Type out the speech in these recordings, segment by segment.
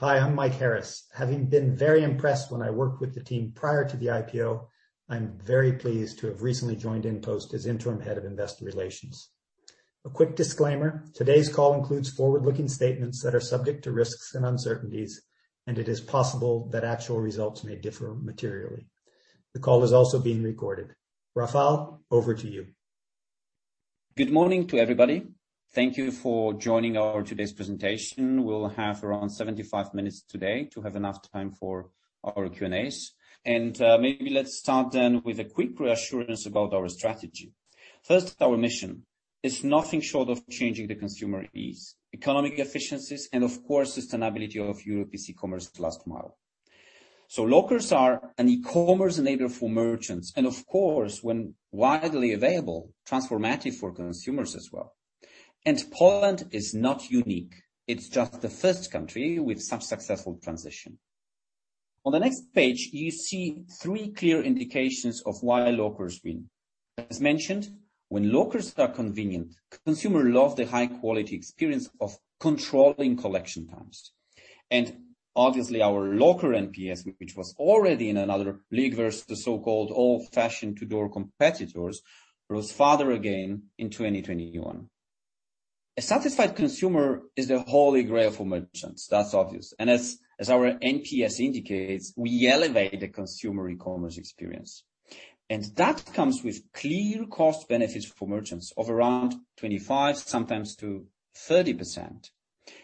Hi, I'm Mike Harris. Having been very impressed when I worked with the team prior to the IPO, I'm very pleased to have recently joined InPost as interim head of Investor Relations. A quick disclaimer: Today's call includes forward-looking statements that are subject to risks and uncertainties, and it is possible that actual results may differ materially. The call is also being recorded. Rafał, over to you. Good morning to everybody. Thank you for joining our today's presentation. We'll have around 75 minutes today to have enough time for our Q&As. Maybe let's start then with a quick reassurance about our strategy. First, our mission. It's nothing short of changing the consumer ease, economic efficiencies, and of course, sustainability of Europe's e-commerce last mile. Lockers are an e-commerce enabler for merchants, and of course, when widely available, transformative for consumers as well. Poland is not unique. It's just the first country with some successful transition. On the next page, you see three clear indications of why lockers win. As mentioned, when lockers are convenient, consumer loves the high quality experience of controlling collection times. Obviously, our locker NPS, which was already in another league versus the so-called old-fashioned To-Door competitors, rose farther again in 2021. A satisfied consumer is the holy grail for merchants. That's obvious. As our NPS indicates, we elevate the consumer e-commerce experience. That comes with clear cost benefits for merchants of around 25%, sometimes to 30%.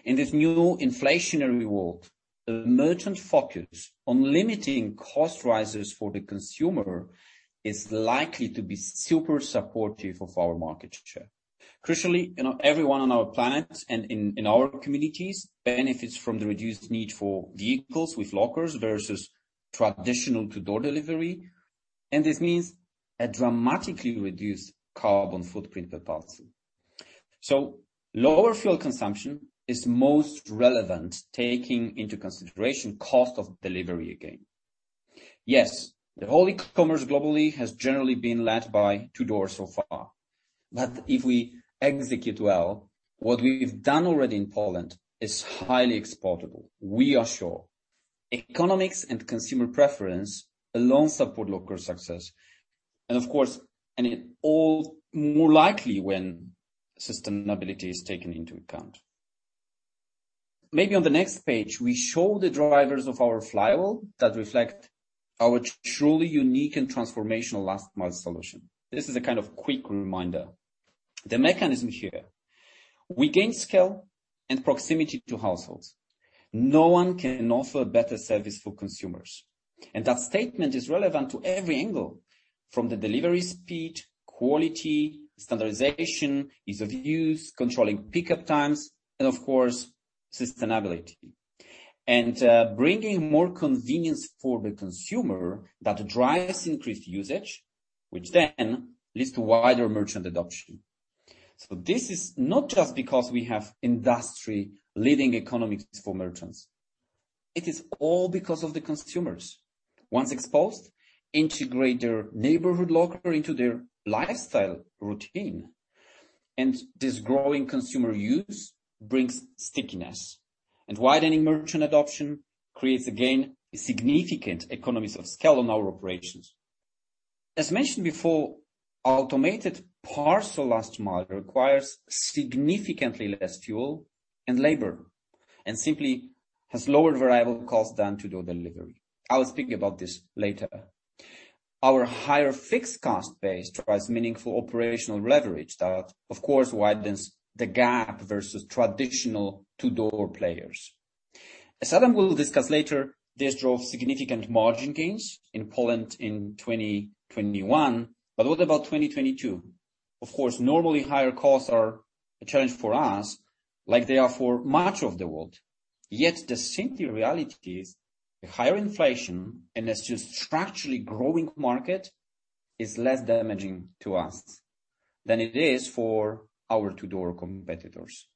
In this new inflationary world, the merchant focus on limiting cost rises for the consumer is likely to be super supportive of our market share. Crucially, everyone on our planet and in our communities benefits from the reduced need for vehicles with lockers versus traditional to door delivery. This means a dramatically reduced carbon footprint per parcel. Lower fuel consumption is most relevant, taking into consideration cost of delivery again. Yes, the whole e-commerce globally has generally been led by to door so far. If we execute well, what we've done already in Poland is highly exportable, we are sure. Economics and consumer preference alone support locker success. Of course, it's all the more likely when sustainability is taken into account. Maybe on the next page, we show the drivers of our flywheel that reflect our truly unique and transformational last mile solution. This is a kind of quick reminder. The mechanism here, we gain scale and proximity to households. No one can offer better service for consumers. That statement is relevant to every angle, from the delivery speed, quality, standardization, ease of use, controlling pickup times, and of course, sustainability. Bringing more convenience for the consumer that drives increased usage, which then leads to wider merchant adoption. This is not just because we have industry-leading economies for merchants. It is all because of the consumers. Once exposed, consumers integrate their neighborhood locker into their lifestyle routine. This growing consumer use brings stickiness. Widening merchant adoption creates, again, significant economies of scale on our operations. As mentioned before, automated parcel last mile requires significantly less fuel and labor, and simply has lower variable costs than To-Door delivery. I will speak about this later. Our higher fixed cost base drives meaningful operational leverage that, of course, widens the gap versus traditional To-Door players. As Adam will discuss later, this drove significant margin gains in Poland in 2021. What about 2022? Of course, normally higher costs are a challenge for us, like they are for much of the world. Yet the simple reality is a higher inflation in a structurally growing market is less damaging to us than it is for our To-Door competitors.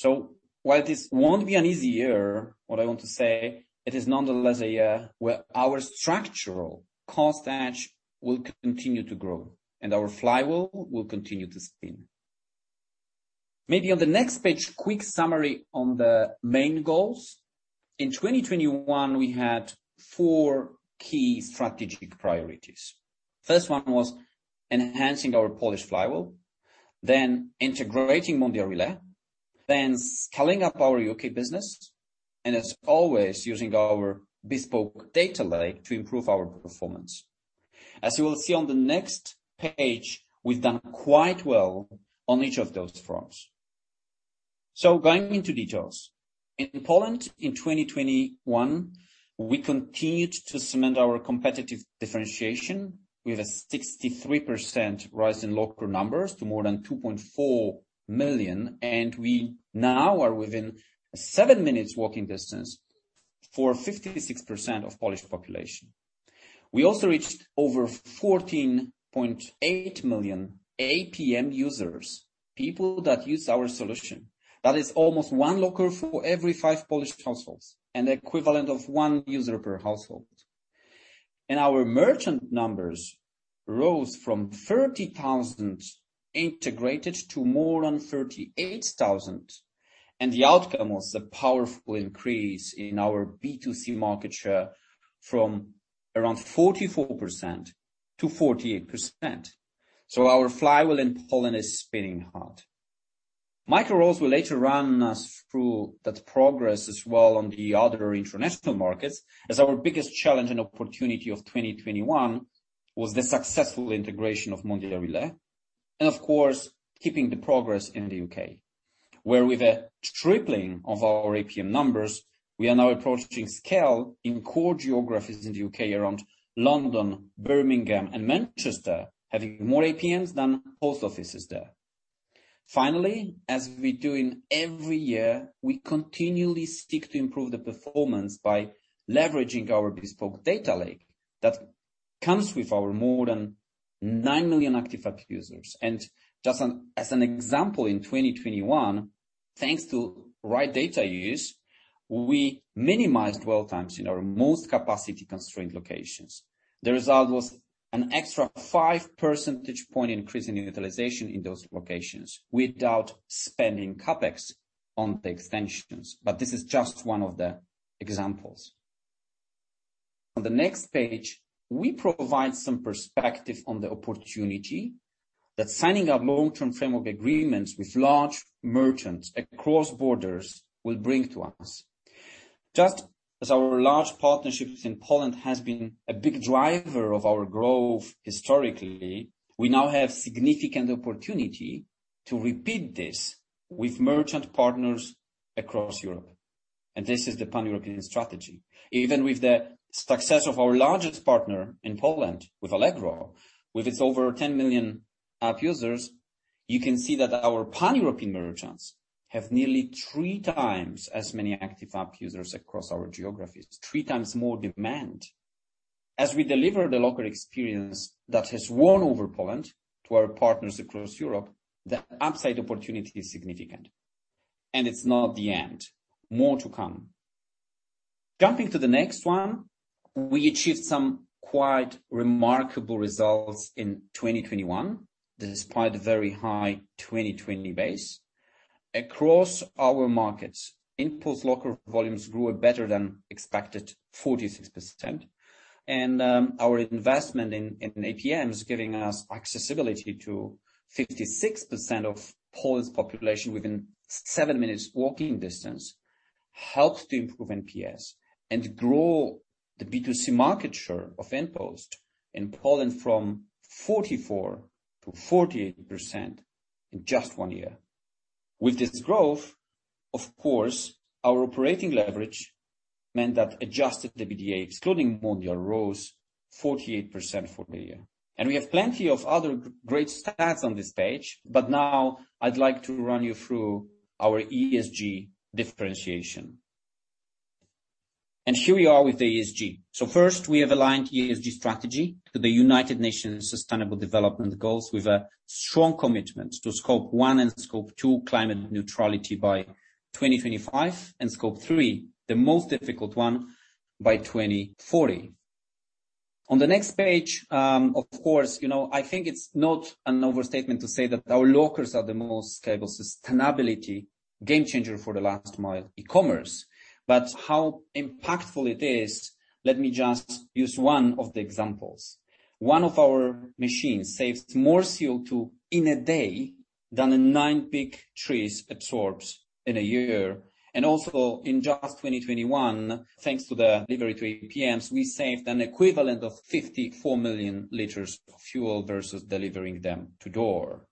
While this won't be an easy year, what I want to say, it is nonetheless a year where our structural cost edge will continue to grow and our flywheel will continue to spin. Maybe on the next page, quick summary on the main goals. In 2021, we had four key strategic priorities. First one was enhancing our Polish flywheel, then integrating Mondial Relay, then scaling up our U.K. business, and as always, using our bespoke data lake to improve our performance. As you will see on the next page, we've done quite well on each of those fronts. Going into details. In Poland in 2021, we continued to cement our competitive differentiation with a 63% rise in locker numbers to more than 2.4 million, and we now are within a seven minutes walking distance for 56% of Polish population. We also reached over 14.8 million APM users, people that use our solution. That is almost one locker for every five Polish households, and the equivalent of one user per household. Our merchant numbers rose from 30,000 integrated to more than 38,000, and the outcome was a powerful increase in our B2C market share from around 44%-48%. Our flywheel in Poland is spinning hard. Michael Rouse will later run us through that progress as well on the other international markets, as our biggest challenge and opportunity of 2021 was the successful integration of Mondial Relay. Of course, keeping the progress in the U.K., where with a tripling of our APM numbers, we are now approaching scale in core geographies in the U.K. around London, Birmingham and Manchester, having more APMs than post offices there. Finally, as we do in every year, we continually seek to improve the performance by leveraging our bespoke data lake that comes with our more than 9 million active app users. Just as an example, in 2021, thanks to right data use, we minimized dwell times in our most capacity-constrained locations. The result was an extra 5 percentage point increase in utilization in those locations without spending CapEx on the extensions. This is just one of the examples. On the next page, we provide some perspective on the opportunity that signing our long-term framework agreements with large merchants across borders will bring to us. Just as our large partnerships in Poland has been a big driver of our growth historically, we now have significant opportunity to repeat this with merchant partners across Europe. This is the Pan-European strategy. Even with the success of our largest partner in Poland, with Allegro, with its over 10 million app users, you can see that our Pan-European merchants have nearly 3x as many active app users across our geographies, 3x more demand. As we deliver the locker experience that has won over Poland to our partners across Europe, the upside opportunity is significant. It's not the end. More to come. Jumping to the next one, we achieved some quite remarkable results in 2021, despite the very high 2020 base. Across our markets, InPost locker volumes grew at better than expected, 46%. Our investment in APMs giving us accessibility to 56% of Poland's population within seven minutes walking distance, helps to improve NPS and grow the B2C market share of InPost in Poland from 44%-48% in just one year. With this growth, of course, our operating leverage meant that adjusted EBITDA, excluding Mondial, rose 48% for the year. We have plenty of other great stats on this page, but now I'd like to run you through our ESG differentiation. Here we are with the ESG. First, we have aligned ESG strategy to the United Nations Sustainable Development Goals with a strong commitment to Scope 1 and Scope 2 climate neutrality by 2025, and Scope 3, the most difficult one, by 2040. On the next page, of course, you know, I think it's not an overstatement to say that our lockers are the most scalable sustainability game-changer for the last mile e-commerce. How impactful it is, let me just use one of the examples. One of our machines saves more CO2 in a day than nine big trees absorb in a year. In just 2021, thanks to the delivery to APMs, we saved an equivalent of 54 million liters of fuel versus delivering them to door.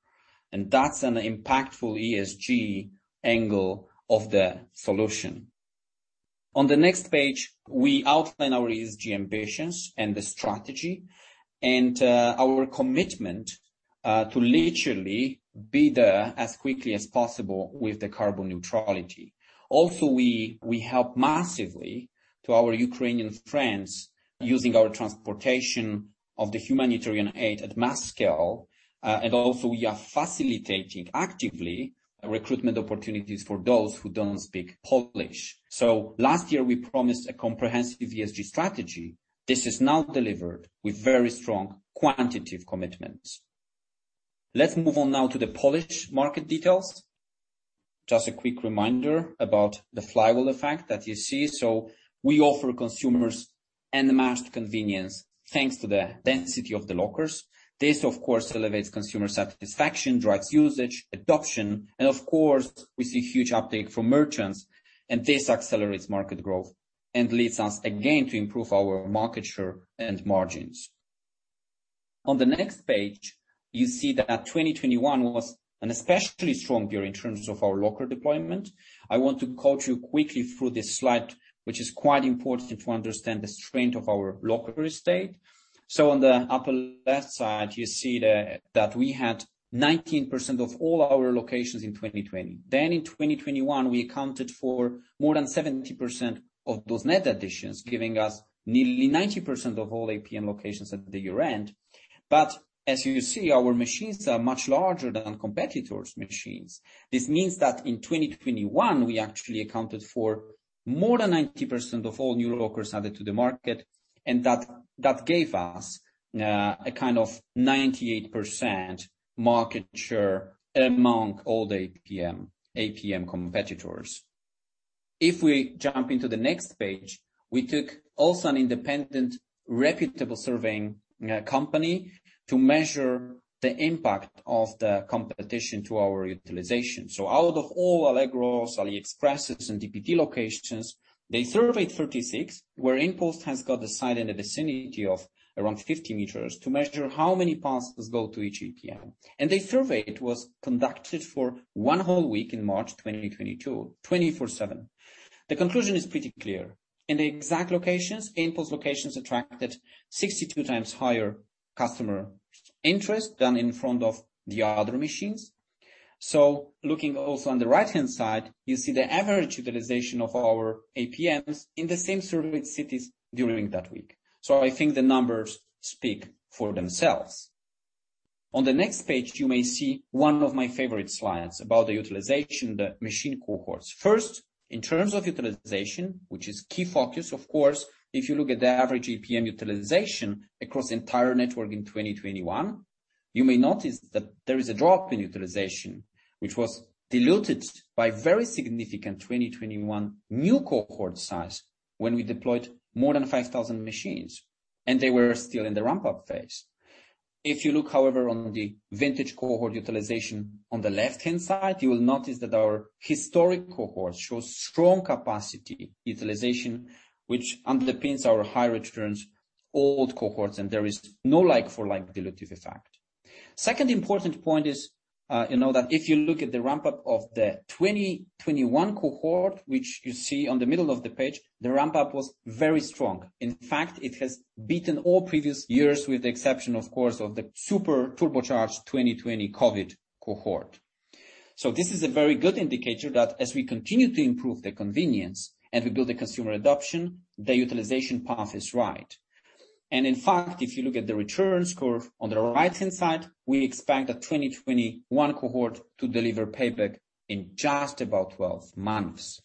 That's an impactful ESG angle of the solution. On the next page, we outline our ESG ambitions and the strategy and our commitment to literally be there as quickly as possible with the carbon neutrality. We help massively to our Ukrainian friends using our transportation of the humanitarian aid at mass scale. We are facilitating actively recruitment opportunities for those who don't speak Polish. Last year, we promised a comprehensive ESG strategy. This is now delivered with very strong quantitative commitments. Let's move on now to the Polish market details. Just a quick reminder about the flywheel effect that you see. We offer consumers unmatched convenience thanks to the density of the lockers. This, of course, elevates consumer satisfaction, drives usage, adoption, and of course, we see huge uptake from merchants, and this accelerates market growth and leads us again to improve our market share and margins. On the next page, you see that 2021 was an especially strong year in terms of our locker deployment. I want to coach you quickly through this slide, which is quite important to understand the strength of our locker estate. On the upper left side, you see that we had 19% of all our locations in 2020. Then in 2021, we accounted for more than 70% of those net additions, giving us nearly 90% of all APM locations at the year-end. As you see, our machines are much larger than competitors' machines. This means that in 2021, we actually accounted for more than 90% of all new lockers added to the market, and that gave us a kind of 98% market share among all the APM competitors. If we jump into the next page, we took also an independent, reputable surveying company to measure the impact of the competition to our utilization. Out of all Allegro, AliExpress, and DPD locations, they surveyed 36, where InPost has got a site in the vicinity of around 50 meters to measure how many parcels go to each APM. The survey it was conducted for one whole week in March 2022, 24/7. The conclusion is pretty clear. In the exact locations, InPost locations attracted 62x higher customer interest than in front of the other machines. Looking also on the right-hand side, you see the average utilization of our APMs in the same surveyed cities during that week. I think the numbers speak for themselves. On the next page, you may see one of my favorite slides about the utilization, the machine cohorts. First, in terms of utilization, which is key focus, of course, if you look at the average APM utilization across the entire network in 2021, you may notice that there is a drop in utilization, which was diluted by very significant 2021 new cohort size when we deployed more than 5,000 machines, and they were still in the ramp-up phase. If you look, however, on the vintage cohort utilization on the left-hand side, you will notice that our historic cohort shows strong capacity utilization, which underpins our high returns old cohorts, and there is no like for like dilutive effect. Second important point is that if you look at the ramp-up of the 2021 cohort, which you see on the middle of the page, the ramp-up was very strong. In fact, it has beaten all previous years with the exception, of course, of the super turbocharged 2020 COVID cohort. This is a very good indicator that as we continue to improve the convenience and we build the consumer adoption, the utilization path is right. In fact, if you look at the returns curve on the right-hand side, we expect the 2021 cohort to deliver payback in just about 12 months.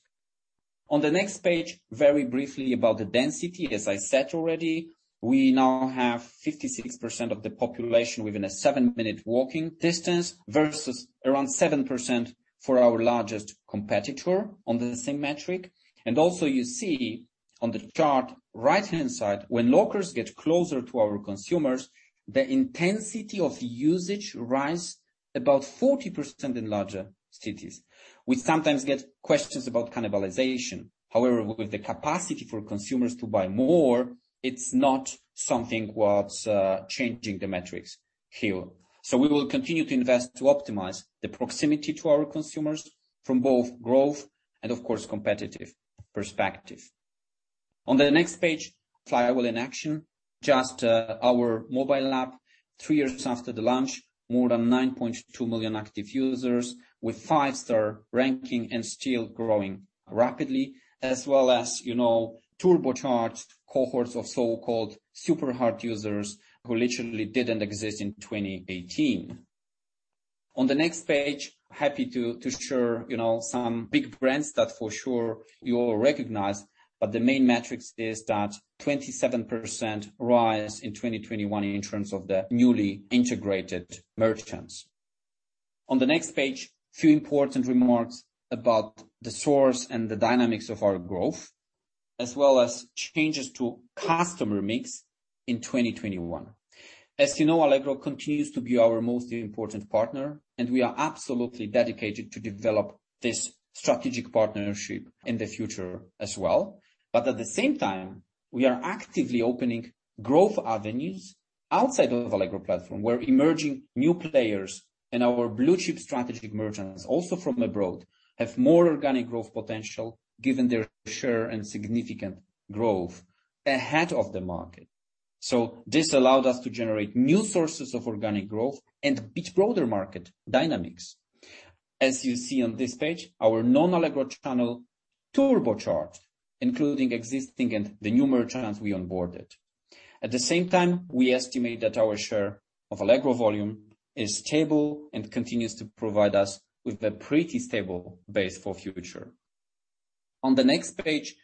On the next page, very briefly about the density. As I said already, we now have 56% of the population within a seven-minute walking distance versus around 7% for our largest competitor on the same metric. Also, you see on the chart right-hand side, when lockers get closer to our consumers, the intensity of usage rises about 40% in larger cities. We sometimes get questions about cannibalization. However, with the capacity for consumers to buy more, it's not something that's changing the metrics here. We will continue to invest to optimize the proximity to our consumers from both a growth and, of course, a competitive perspective. On the next page, flywheel in action. Just our mobile app, three years after the launch, more than 9.2 million active users with five-star ranking and still growing rapidly, as well as, you know, turbocharged cohorts of so-called super hard users who literally didn't exist in 2018. On the next page, happy to share, you know, some big brands that for sure you'll recognize, but the main metrics is that 27% rise in 2021 in terms of the newly integrated merchants. On the next page, few important remarks about the source and the dynamics of our growth, as well as changes to customer mix in 2021. As you know, Allegro continues to be our most important partner, and we are absolutely dedicated to develop this strategic partnership in the future as well. At the same time, we are actively opening growth avenues outside of Allegro platform, where emerging new players and our blue chip strategic merchants, also from abroad, have more organic growth potential given their share and significant growth ahead of the market. This allowed us to generate new sources of organic growth and a bit broader market dynamics. As you see on this page, our non-Allegro channel turbocharge, including existing and the new merchants we onboarded. At the same time, we estimate that our share of Allegro volume is stable and continues to provide us with a pretty stable base for future. On the next page,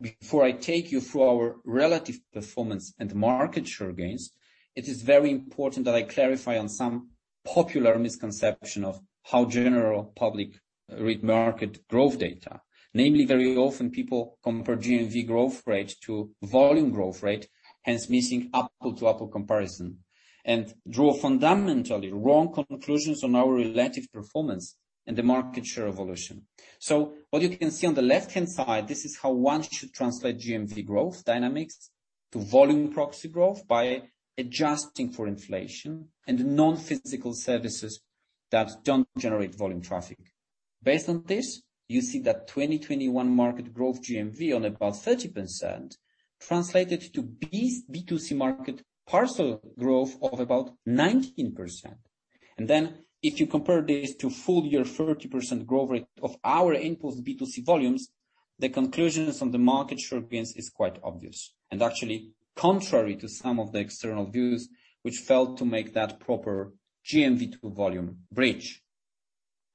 before I take you through our relative performance and market share gains, it is very important that I clarify on some popular misconception of how general public read market growth data. Namely, very often people compare GMV growth rate to volume growth rate, hence missing apple-to-apple comparison, and draw fundamentally wrong conclusions on our relative performance and the market share evolution. What you can see on the left-hand side, this is how one should translate GMV growth dynamics to volume proxy growth by adjusting for inflation and non-physical services that don't generate volume traffic. Based on this, you see that 2021 market growth GMV on about 30% translated to B2C market parcel growth of about 19%. Then if you compare this to full year 30% growth rate of our InPost B2C volumes, the conclusions on the market share gains is quite obvious, and actually contrary to some of the external views which failed to make that proper GMV to volume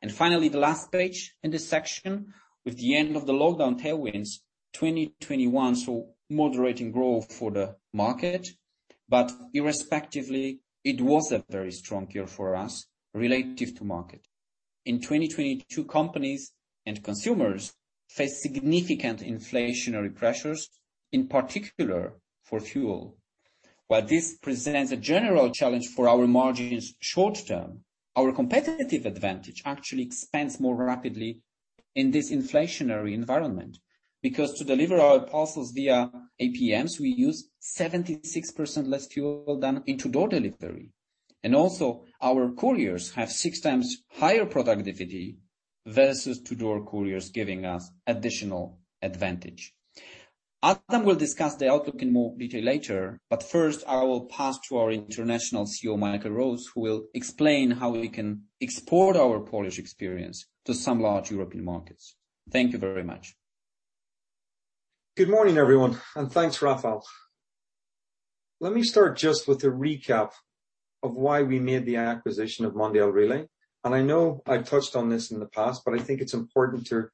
bridge. Finally, the last page in this section. With the end of the lockdown tailwinds, 2021 saw moderating growth for the market, but irrespectively, it was a very strong year for us relative to market. In 2022, companies and consumers faced significant inflationary pressures, in particular for fuel. While this presents a general challenge for our margins short term, our competitive advantage actually expands more rapidly in this inflationary environment, because to deliver our parcels via APMs, we use 76% less fuel than in To-Door delivery. Also our couriers have 6x higher productivity versus To-Door couriers, giving us additional advantage. Adam will discuss the outlook in more detail later, but first I will pass to our International CEO, Michael Rouse, who will explain how we can export our Polish experience to some large European markets. Thank you very much. Good morning, everyone, and thanks, Rafał. Let me start just with a recap of why we made the acquisition of Mondial Relay. I know I've touched on this in the past, but I think it's important to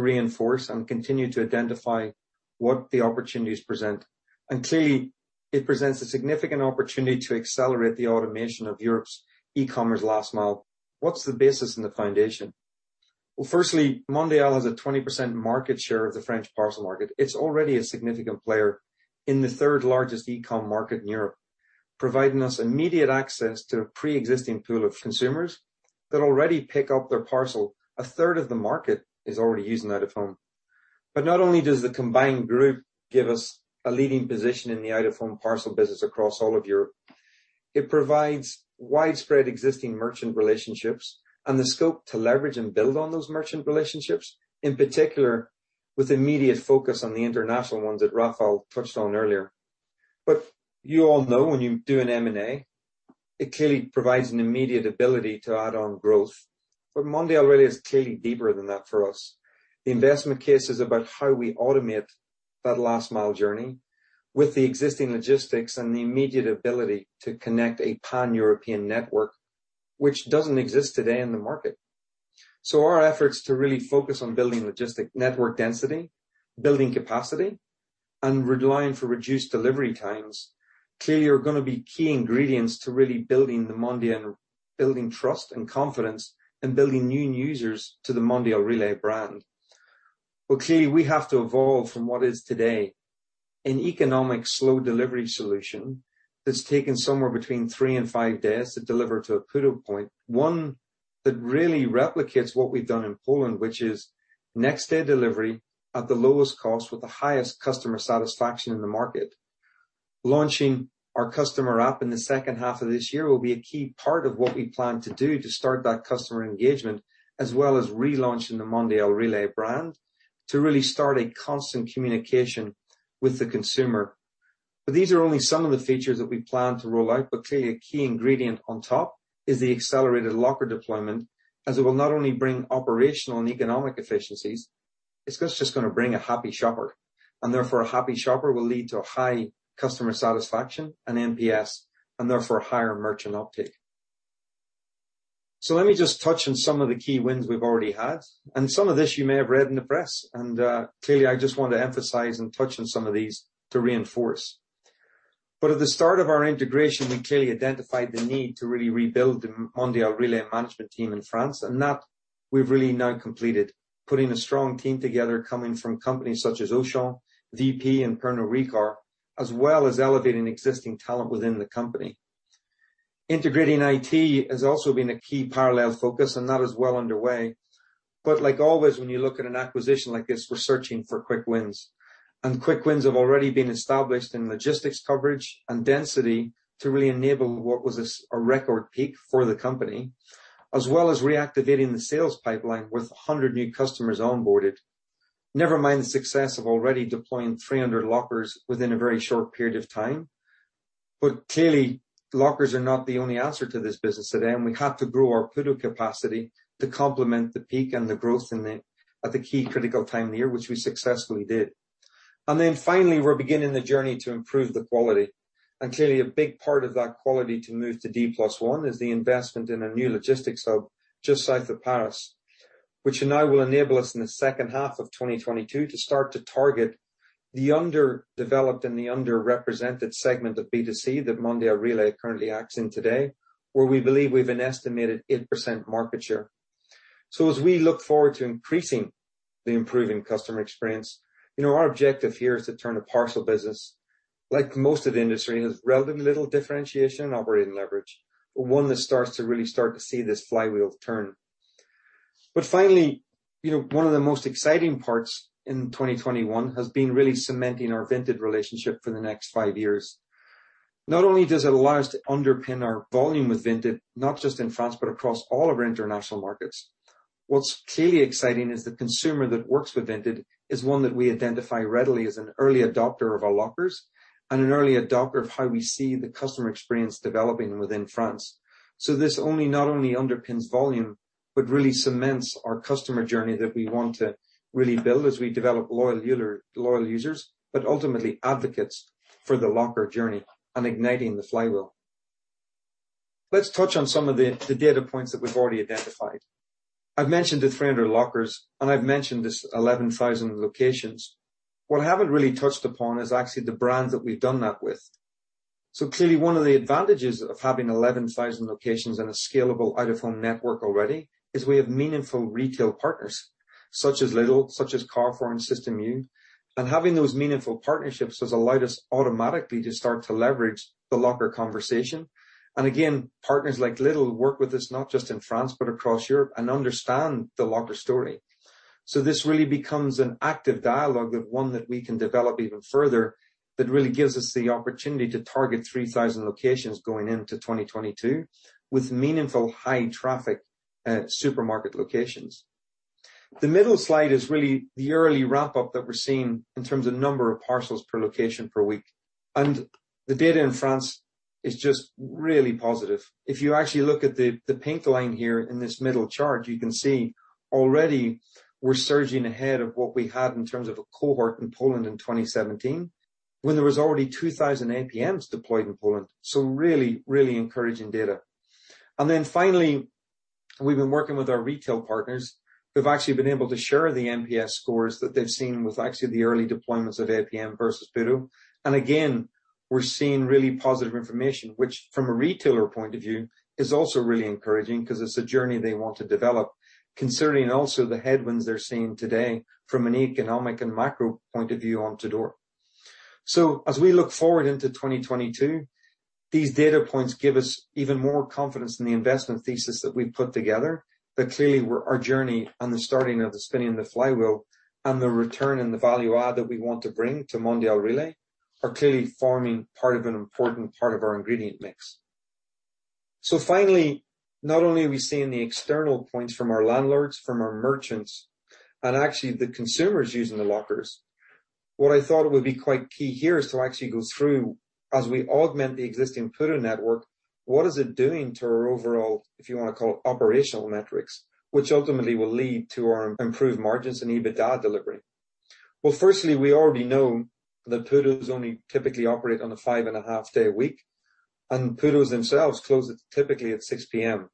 reinforce and continue to identify what the opportunities present. Clearly it presents a significant opportunity to accelerate the automation of Europe's e-commerce last mile. What's the basis and the foundation? Well, firstly, Mondial has a 20% market share of the French parcel market. It's already a significant player in the third largest e-com market in Europe, providing us immediate access to a pre-existing pool of consumers that already pick up their parcel. One-third of the market is already using out-of-home. Not only does the combined group give us a leading position in the out-of-home parcel business across all of Europe, it provides widespread existing merchant relationships and the scope to leverage and build on those merchant relationships, in particular with immediate focus on the international ones that Rafał touched on earlier. You all know when you do an M&A, it clearly provides an immediate ability to add on growth. Mondial Relay is clearly deeper than that for us. The investment case is about how we automate that last-mile journey with the existing logistics and the immediate ability to connect a pan-European network which doesn't exist today in the market. Our efforts to really focus on building logistics network density, building capacity, and driving for reduced delivery times clearly are gonna be key ingredients to really building the Mondial Relay, building trust and confidence and building new users to the Mondial Relay brand. Clearly we have to evolve from what is today an economical slow delivery solution that's taken somewhere between three and five days to deliver to a pick-up point, one that really replicates what we've done in Poland, which is next day delivery at the lowest cost with the highest customer satisfaction in the market. Launching our customer app in the second half of this year will be a key part of what we plan to do to start that customer engagement, as well as relaunching the Mondial Relay brand to really start a constant communication with the consumer. These are only some of the features that we plan to roll out. Clearly a key ingredient on top is the accelerated locker deployment, as it will not only bring operational and economic efficiencies, it's just gonna bring a happy shopper. Therefore a happy shopper will lead to a high customer satisfaction and NPS, and therefore higher merchant uptake. Let me just touch on some of the key wins we've already had, and some of this you may have read in the press, and, clearly I just want to emphasize and touch on some of these to reinforce. At the start of our integration, we clearly identified the need to really rebuild the Mondial Relay management team in France, and that we've really now completed, putting a strong team together coming from companies such as Auchan, Veepee and Pernod Ricard, as well as elevating existing talent within the company. Integrating IT has also been a key parallel focus and that is well underway. Like always, when you look at an acquisition like this, we're searching for quick wins. Quick wins have already been established in logistics coverage and density to really enable what was this, a record peak for the company, as well as reactivating the sales pipeline with 100 new customers onboarded. Never mind the success of already deploying 300 lockers within a very short period of time. Clearly, lockers are not the only answer to this business today, and we had to grow our PUDO capacity to complement the peak and the growth in it at the key critical time of the year, which we successfully did. Then finally, we're beginning the journey to improve the quality. Clearly a big part of that quality to move to D+1 is the investment in a new logistics hub just south of Paris, which now will enable us in the second half of 2022 to start to target the under-developed and the under-represented segment of B2C that Mondial Relay currently acts in today, where we believe we've an estimated 8% market share. As we look forward to increasing and improving customer experience, you know our objective here is to turn a parcel business like most of the industry and has relatively little differentiation and operating leverage, but one that starts to really see this flywheel turn. Finally, you know one of the most exciting parts in 2021 has been really cementing our Vinted relationship for the next five years. Not only does it allow us to underpin our volume with Vinted, not just in France, but across all of our international markets. What's clearly exciting is the consumer that works with Vinted is one that we identify readily as an early adopter of our lockers and an early adopter of how we see the customer experience developing within France. This not only underpins volume, but really cements our customer journey that we want to build as we develop loyal users, but ultimately advocates for the locker journey and igniting the flywheel. Let's touch on some of the data points that we've already identified. I've mentioned the 300 lockers, and I've mentioned this 11,000 locations. What I haven't really touched upon is actually the brands that we've done that with. Clearly, one of the advantages of having 11,000 locations and a scalable out-of-home network already is we have meaningful retail partners, such as Lidl, such as Carrefour, and Système U. Having those meaningful partnerships has allowed us automatically to start to leverage the locker conversation. Again, partners like Lidl work with us, not just in France, but across Europe, and understand the locker story. This really becomes an active dialogue and one that we can develop even further that really gives us the opportunity to target 3,000 locations going into 2022 with meaningful high traffic, supermarket locations. The middle slide is really the early ramp-up that we're seeing in terms of number of parcels per location per week. The data in France is just really positive. If you actually look at the pink line here in this middle chart, you can see already we're surging ahead of what we had in terms of a cohort in Poland in 2017 when there was already 2,000 APMs deployed in Poland. Really encouraging data. Finally, we've been working with our retail partners who've actually been able to share the NPS scores that they've seen with actually the early deployments of APM versus PUDO. Again, we're seeing really positive information, which from a retailer point of view is also really encouraging 'cause it's a journey they want to develop, considering also the headwinds they're seeing today from an economic and macro point of view on To-Door. As we look forward into 2022, these data points give us even more confidence in the investment thesis that we've put together that clearly our journey on the starting of the spinning of the flywheel and the return and the value add that we want to bring to Mondial Relay are clearly forming part of an important part of our ingredient mix. Finally, not only are we seeing the external points from our landlords, from our merchants, and actually the consumers using the lockers. What I thought would be quite key here is to actually go through as we augment the existing PUDO network, what is it doing to our overall, if you wanna call, operational metrics, which ultimately will lead to our improved margins and EBITDA delivery. Well, firstly, we already know that PUDOs only typically operate on a 5.5 days a week, and PUDOs themselves close it typically at 6 P.M.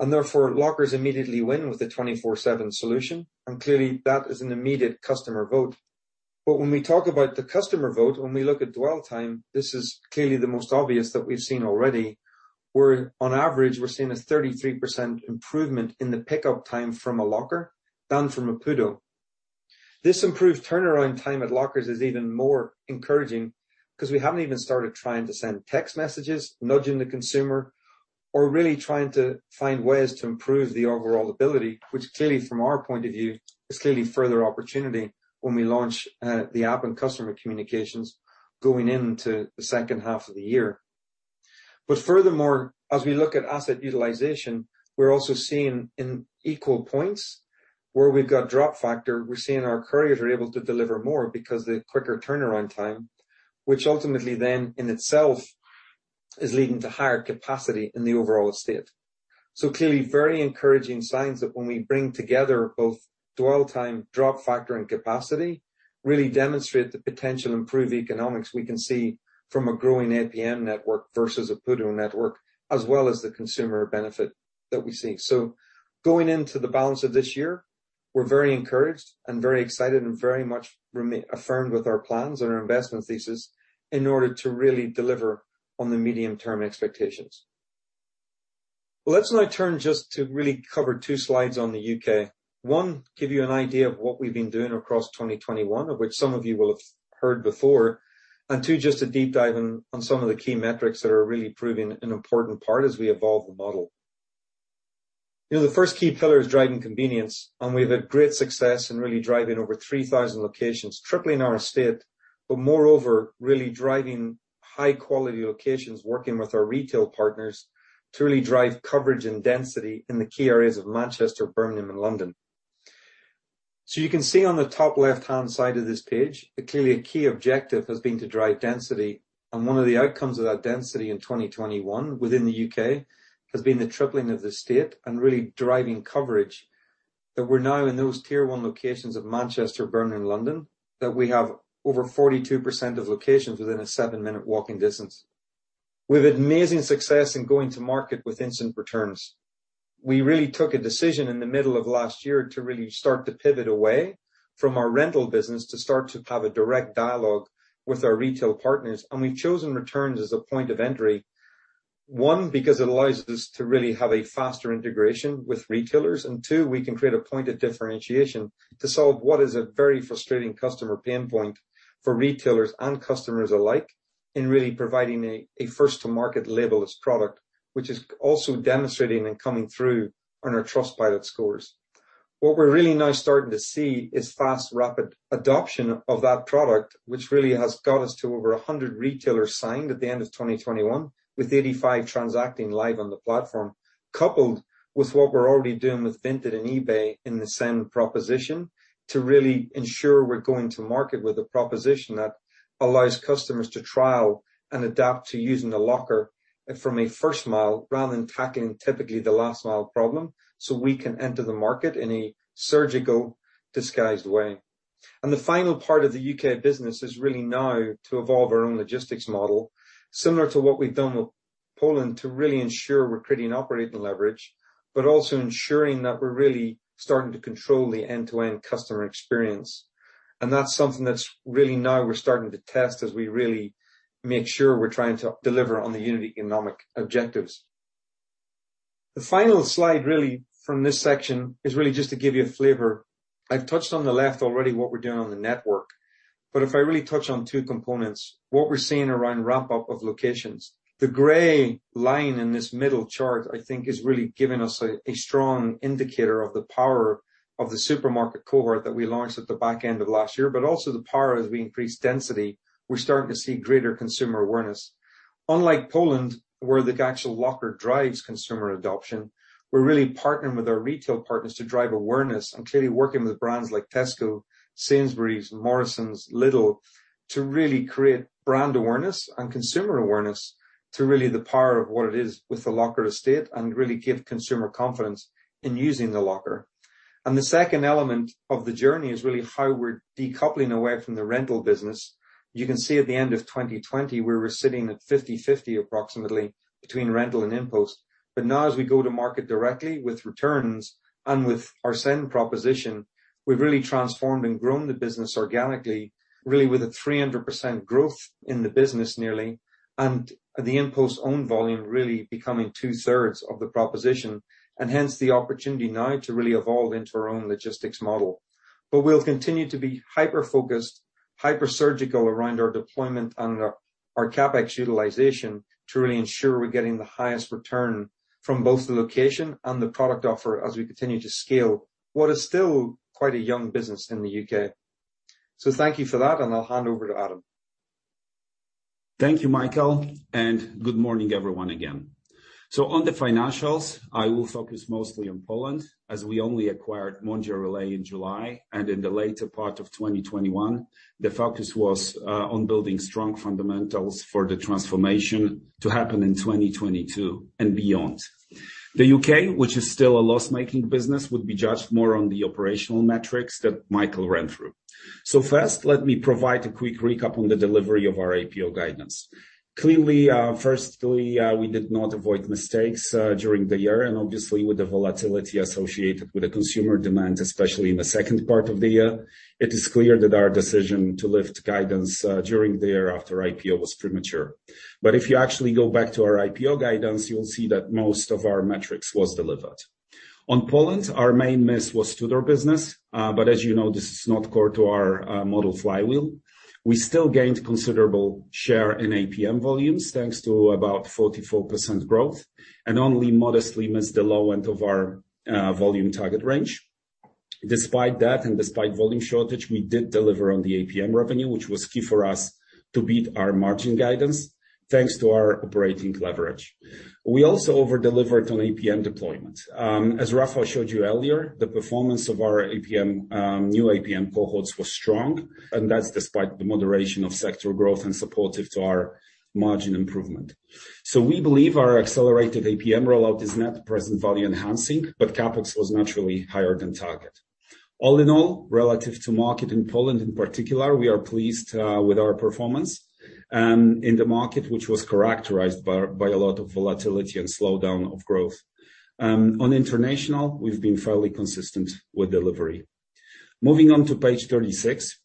Therefore, lockers immediately win with the 24/7 solution. Clearly that is an immediate customer vote. When we talk about the customer vote, when we look at dwell time, this is clearly the most obvious that we've seen already, where on average, we're seeing a 33% improvement in the pickup time from a locker than from a PUDO. This improved turnaround time at lockers is even more encouraging, 'cause we haven't even started trying to send text messages nudging the consumer or really trying to find ways to improve the overall ability, which clearly from our point of view, is clearly further opportunity when we launch the app and customer communications going into the second half of the year. Furthermore, as we look at asset utilization, we're also seeing in equal points where we've got drop factor, we're seeing our couriers are able to deliver more because the quicker turnaround time, which ultimately then in itself is leading to higher capacity in the overall estate. Clearly very encouraging signs that when we bring together both dwell time, drop factor, and capacity really demonstrate the potential improved economics we can see from a growing APM network versus a PUDO network, as well as the consumer benefit that we see. Going into the balance of this year, we're very encouraged and very excited and very much affirmed with our plans and our investment thesis in order to really deliver on the medium-term expectations. Well, let's now turn just to really cover two slides on the U.K. One, give you an idea of what we've been doing across 2021, of which some of you will have heard before. Two, just a deep dive on some of the key metrics that are really proving an important part as we evolve the model. You know, the first key pillar is driving convenience, and we've had great success in really driving over 3,000 locations, tripling our estate. Moreover, really driving high-quality locations, working with our retail partners to really drive coverage and density in the key areas of Manchester, Birmingham, and London. You can see on the top left-hand side of this page that clearly a key objective has been to drive density, and one of the outcomes of that density in 2021 within the U.K. has been the tripling of the estate and really driving coverage that we're now in those tier one locations of Manchester, Birmingham, and London, that we have over 42% of locations within a seven-minute walking distance. We've had amazing success in going to market with instant returns. We really took a decision in the middle of last year to really start to pivot away from our rental business to start to have a direct dialogue with our retail partners, and we've chosen returns as a point of entry. One, because it allows us to really have a faster integration with retailers. Two, we can create a point of differentiation to solve what is a very frustrating customer pain point for retailers and customers alike in really providing a first-to-market label-less product, which is also demonstrating and coming through on our Trustpilot scores. What we're really now starting to see is fast, rapid adoption of that product, which really has got us to over 100 retailers signed at the end of 2021 with 85 transacting live on the platform, coupled with what we're already doing with Vinted and eBay in the send proposition to really ensure we're going to market with a proposition that allows customers to trial and adapt to using the locker. From a first mile rather than tackling typically the last mile problem, so we can enter the market in a surgical disguised way. The final part of the U.K. business is really now to evolve our own logistics model, similar to what we've done with Poland, to really ensure we're creating operating leverage, but also ensuring that we're really starting to control the end-to-end customer experience. That's something that's really now we're starting to test as we really make sure we're trying to deliver on the unit economic objectives. The final slide really from this section is really just to give you a flavor. I've touched on the left already what we're doing on the network. If I really touch on two components, what we're seeing around ramp-up of locations. The gray line in this middle chart, I think, is really giving us a strong indicator of the power of the supermarket cohort that we launched at the back end of last year, but also the power as we increase density, we're starting to see greater consumer awareness. Unlike Poland, where the actual locker drives consumer adoption, we're really partnering with our retail partners to drive awareness and clearly working with brands like Tesco, Sainsbury's, Morrisons, Lidl, to really create brand awareness and consumer awareness to really the power of what it is with the locker estate and really give consumer confidence in using the locker. The second element of the journey is really how we're decoupling away from the rental business. You can see at the end of 2020, we were sitting at 50/50 approximately between rental and InPost. Now as we go to market directly with returns and with our send proposition, we've really transformed and grown the business organically, really with a 300% growth in the business nearly. The InPost own volume really becoming two-thirds of the proposition, and hence the opportunity now to really evolve into our own logistics model. We'll continue to be hyper-focused, hyper-surgical around our deployment and our CapEx utilization to really ensure we're getting the highest return from both the location and the product offer as we continue to scale what is still quite a young business in the U.K. Thank you for that, and I'll hand over to Adam. Thank you, Michael, and good morning everyone again. On the financials, I will focus mostly on Poland, as we only acquired Mondial Relay in July and in the later part of 2021. The focus was on building strong fundamentals for the transformation to happen in 2022 and beyond. The U.K., which is still a loss-making business, would be judged more on the operational metrics that Michael ran through. First, let me provide a quick recap on the delivery of our IPO guidance. Clearly, firstly, we did not avoid mistakes during the year and obviously with the volatility associated with the consumer demand, especially in the second part of the year. It is clear that our decision to lift guidance during the year after IPO was premature. If you actually go back to our IPO guidance, you'll see that most of our metrics was delivered. In Poland, our main miss was To-Door business. As you know, this is not core to our model flywheel. We still gained considerable share in APM volumes, thanks to about 44% growth, and only modestly missed the low end of our volume target range. Despite that, and despite volume shortage, we did deliver on the APM revenue, which was key for us to beat our margin guidance, thanks to our operating leverage. We also over-delivered on APM deployment. As Rafał showed you earlier, the performance of our APM new APM cohorts was strong, and that's despite the moderation of sector growth and supportive to our margin improvement. We believe our accelerated APM rollout is net present value enhancing, but CapEx was naturally higher than target. All in all, relative to market in Poland in particular, we are pleased with our performance in the market, which was characterized by a lot of volatility and slowdown of growth. On international, we've been fairly consistent with delivery. Moving 1on to page 36.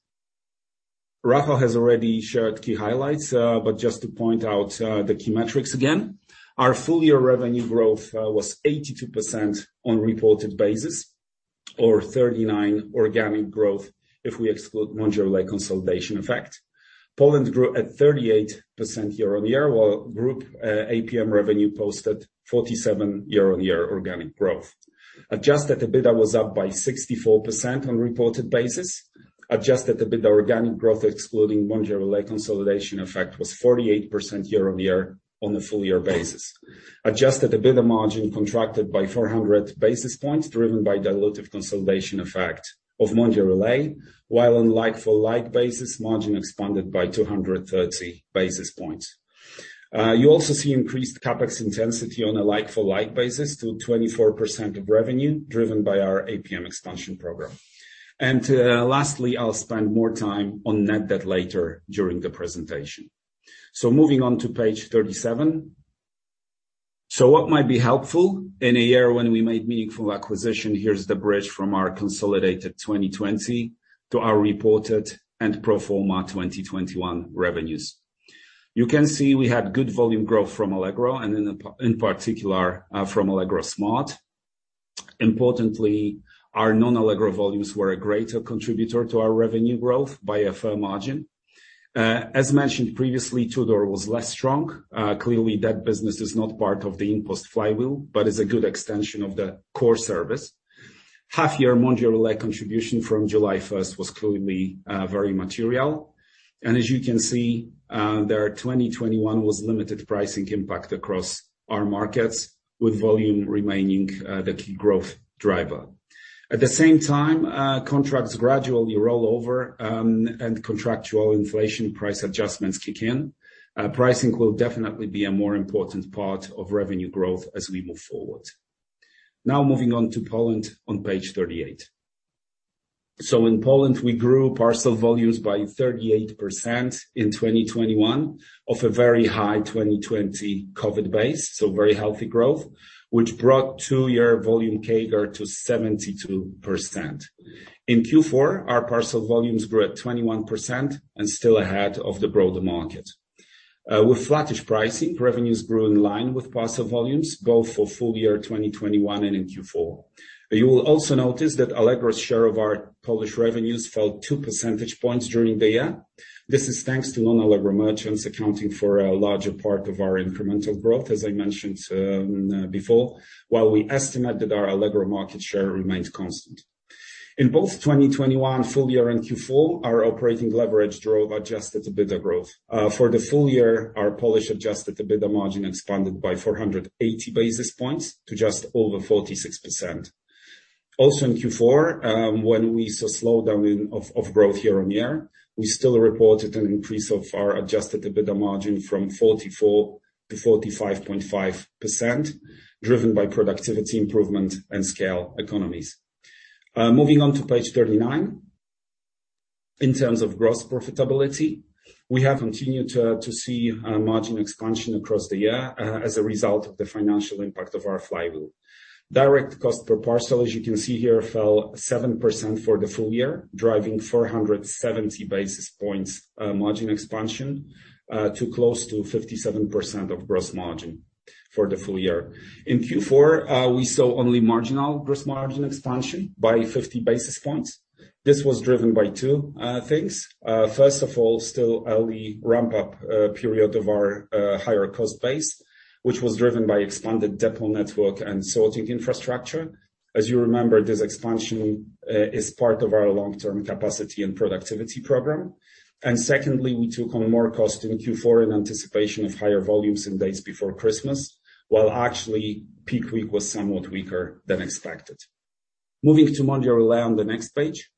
Rafał has already shared key highlights, but just to point out the key metrics again. Our full year revenue growth was 82% on reported basis or 39 organic growth if we exclude Mondial Relay consolidation effect. Poland grew at 38% year-on-year, while group APM revenue posted 47 year-on-year organic growth. Adjusted EBITDA was up by 64% on reported basis. Adjusted EBITDA organic growth, excluding Mondial Relay consolidation effect, was 48% year-on-year on a full year basis. Adjusted EBITDA margin contracted by 400 basis points, driven by dilutive consolidation effect of Mondial Relay, while on like for like basis, margin expanded by 230 basis points. You also see increased CapEx intensity on a like for like basis to 24% of revenue, driven by our APM expansion program. Lastly, I'll spend more time on net debt later during the presentation. Moving on to page 37. What might be helpful in a year when we made meaningful acquisition? Here's the bridge from our consolidated 2020 to our reported and pro forma 2021 revenues. You can see we had good volume growth from Allegro and in particular from Allegro Smart. Importantly, our non-Allegro volumes were a greater contributor to our revenue growth by a fair margin. As mentioned previously, To-Door was less strong. Clearly, that business is not part of the InPost flywheel, but is a good extension of the core service. Half-year Mondial Relay contribution from July 1st was clearly very material. As you can see, there in 2021 was limited pricing impact across our markets, with volume remaining the key growth driver. At the same time, contracts gradually roll over, and contractual inflation price adjustments kick in. Pricing will definitely be a more important part of revenue growth as we move forward. Now moving on to Poland on page 38. In Poland, we grew parcel volumes by 38% in 2021 off a very high 2020 COVID base. Very healthy growth, which brought two-year volume CAGR to 72%. In Q4, our parcel volumes grew at 21% and still ahead of the broader market. With flattish pricing, revenues grew in line with parcel volumes, both for full year 2021 and in Q4. You will also notice that Allegro's share of our Polish revenues fell 2 percentage points during the year. This is thanks to non-Allegro merchants accounting for a larger part of our incremental growth, as I mentioned before, while we estimate that our Allegro market share remains constant. In both 2021 full year and Q4, our operating leverage drove adjusted EBITDA growth. For the full year, our Polish adjusted EBITDA margin expanded by 480 basis points to just over 46%. In Q4, when we saw slowdown in growth year-on-year, we still reported an increase of our adjusted EBITDA margin from 44%-45.5%, driven by productivity improvement and scale economies. Moving on to page 39. In terms of gross profitability, we have continued to see margin expansion across the year as a result of the financial impact of our flywheel. Direct cost per parcel, as you can see here, fell 7% for the full year, driving 470 basis points margin expansion to close to 57% gross margin for the full year. In Q4, we saw only marginal gross margin expansion by 50 basis points. This was driven by two things. First of all, still early ramp-up period of our higher cost base, which was driven by expanded depot network and sorting infrastructure. As you remember, this expansion is part of our long-term capacity and productivity program. Secondly, we took on more cost in Q4 in anticipation of higher volumes in days before Christmas, while actually peak week was somewhat weaker than expected. Moving to Mondial Relay on the next page.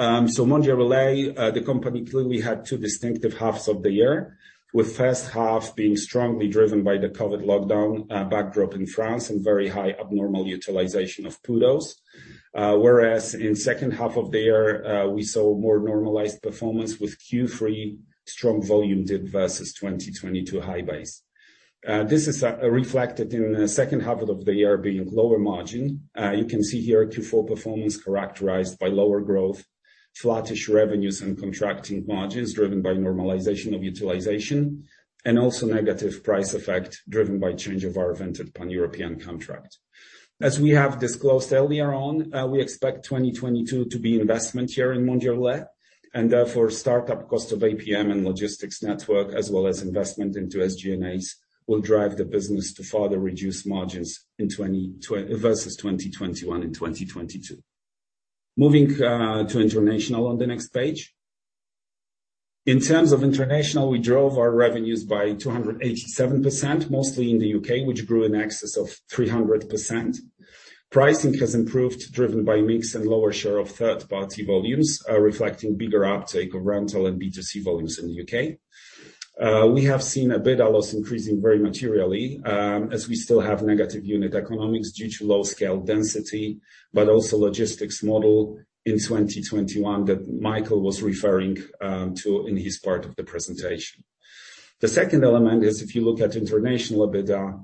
Mondial Relay, the company clearly had two distinctive halves of the year, with first half being strongly driven by the COVID lockdown backdrop in France and very high abnormal utilization of PUDOs. Whereas in second half of the year, we saw more normalized performance with Q3 strong volume dip versus 2022 high base. This is reflected in the second half of the year being lower margin. You can see here Q4 performance characterized by lower growth, flattish revenues and contracting margins driven by normalization of utilization and also negative price effect driven by change of our new pan-European contract. As we have disclosed earlier on, we expect 2022 to be investment year in Mondial Relay, and therefore startup cost of APM and logistics network as well as investment into SG&As will drive the business to further reduce margins in 2022 versus 2021 and 2022. Moving to international on the next page. In terms of international, we drove our revenues by 287%, mostly in the U.K., which grew in excess of 300%. Pricing has improved, driven by mix and lower share of third-party volumes, reflecting bigger uptake of rental and B2C volumes in the U.K. We have seen EBITDA loss increasing very materially, as we still have negative unit economics due to low scale density, but also logistics model in 2021 that Michael was referring to in his part of the presentation. The second element is if you look at international EBITDA,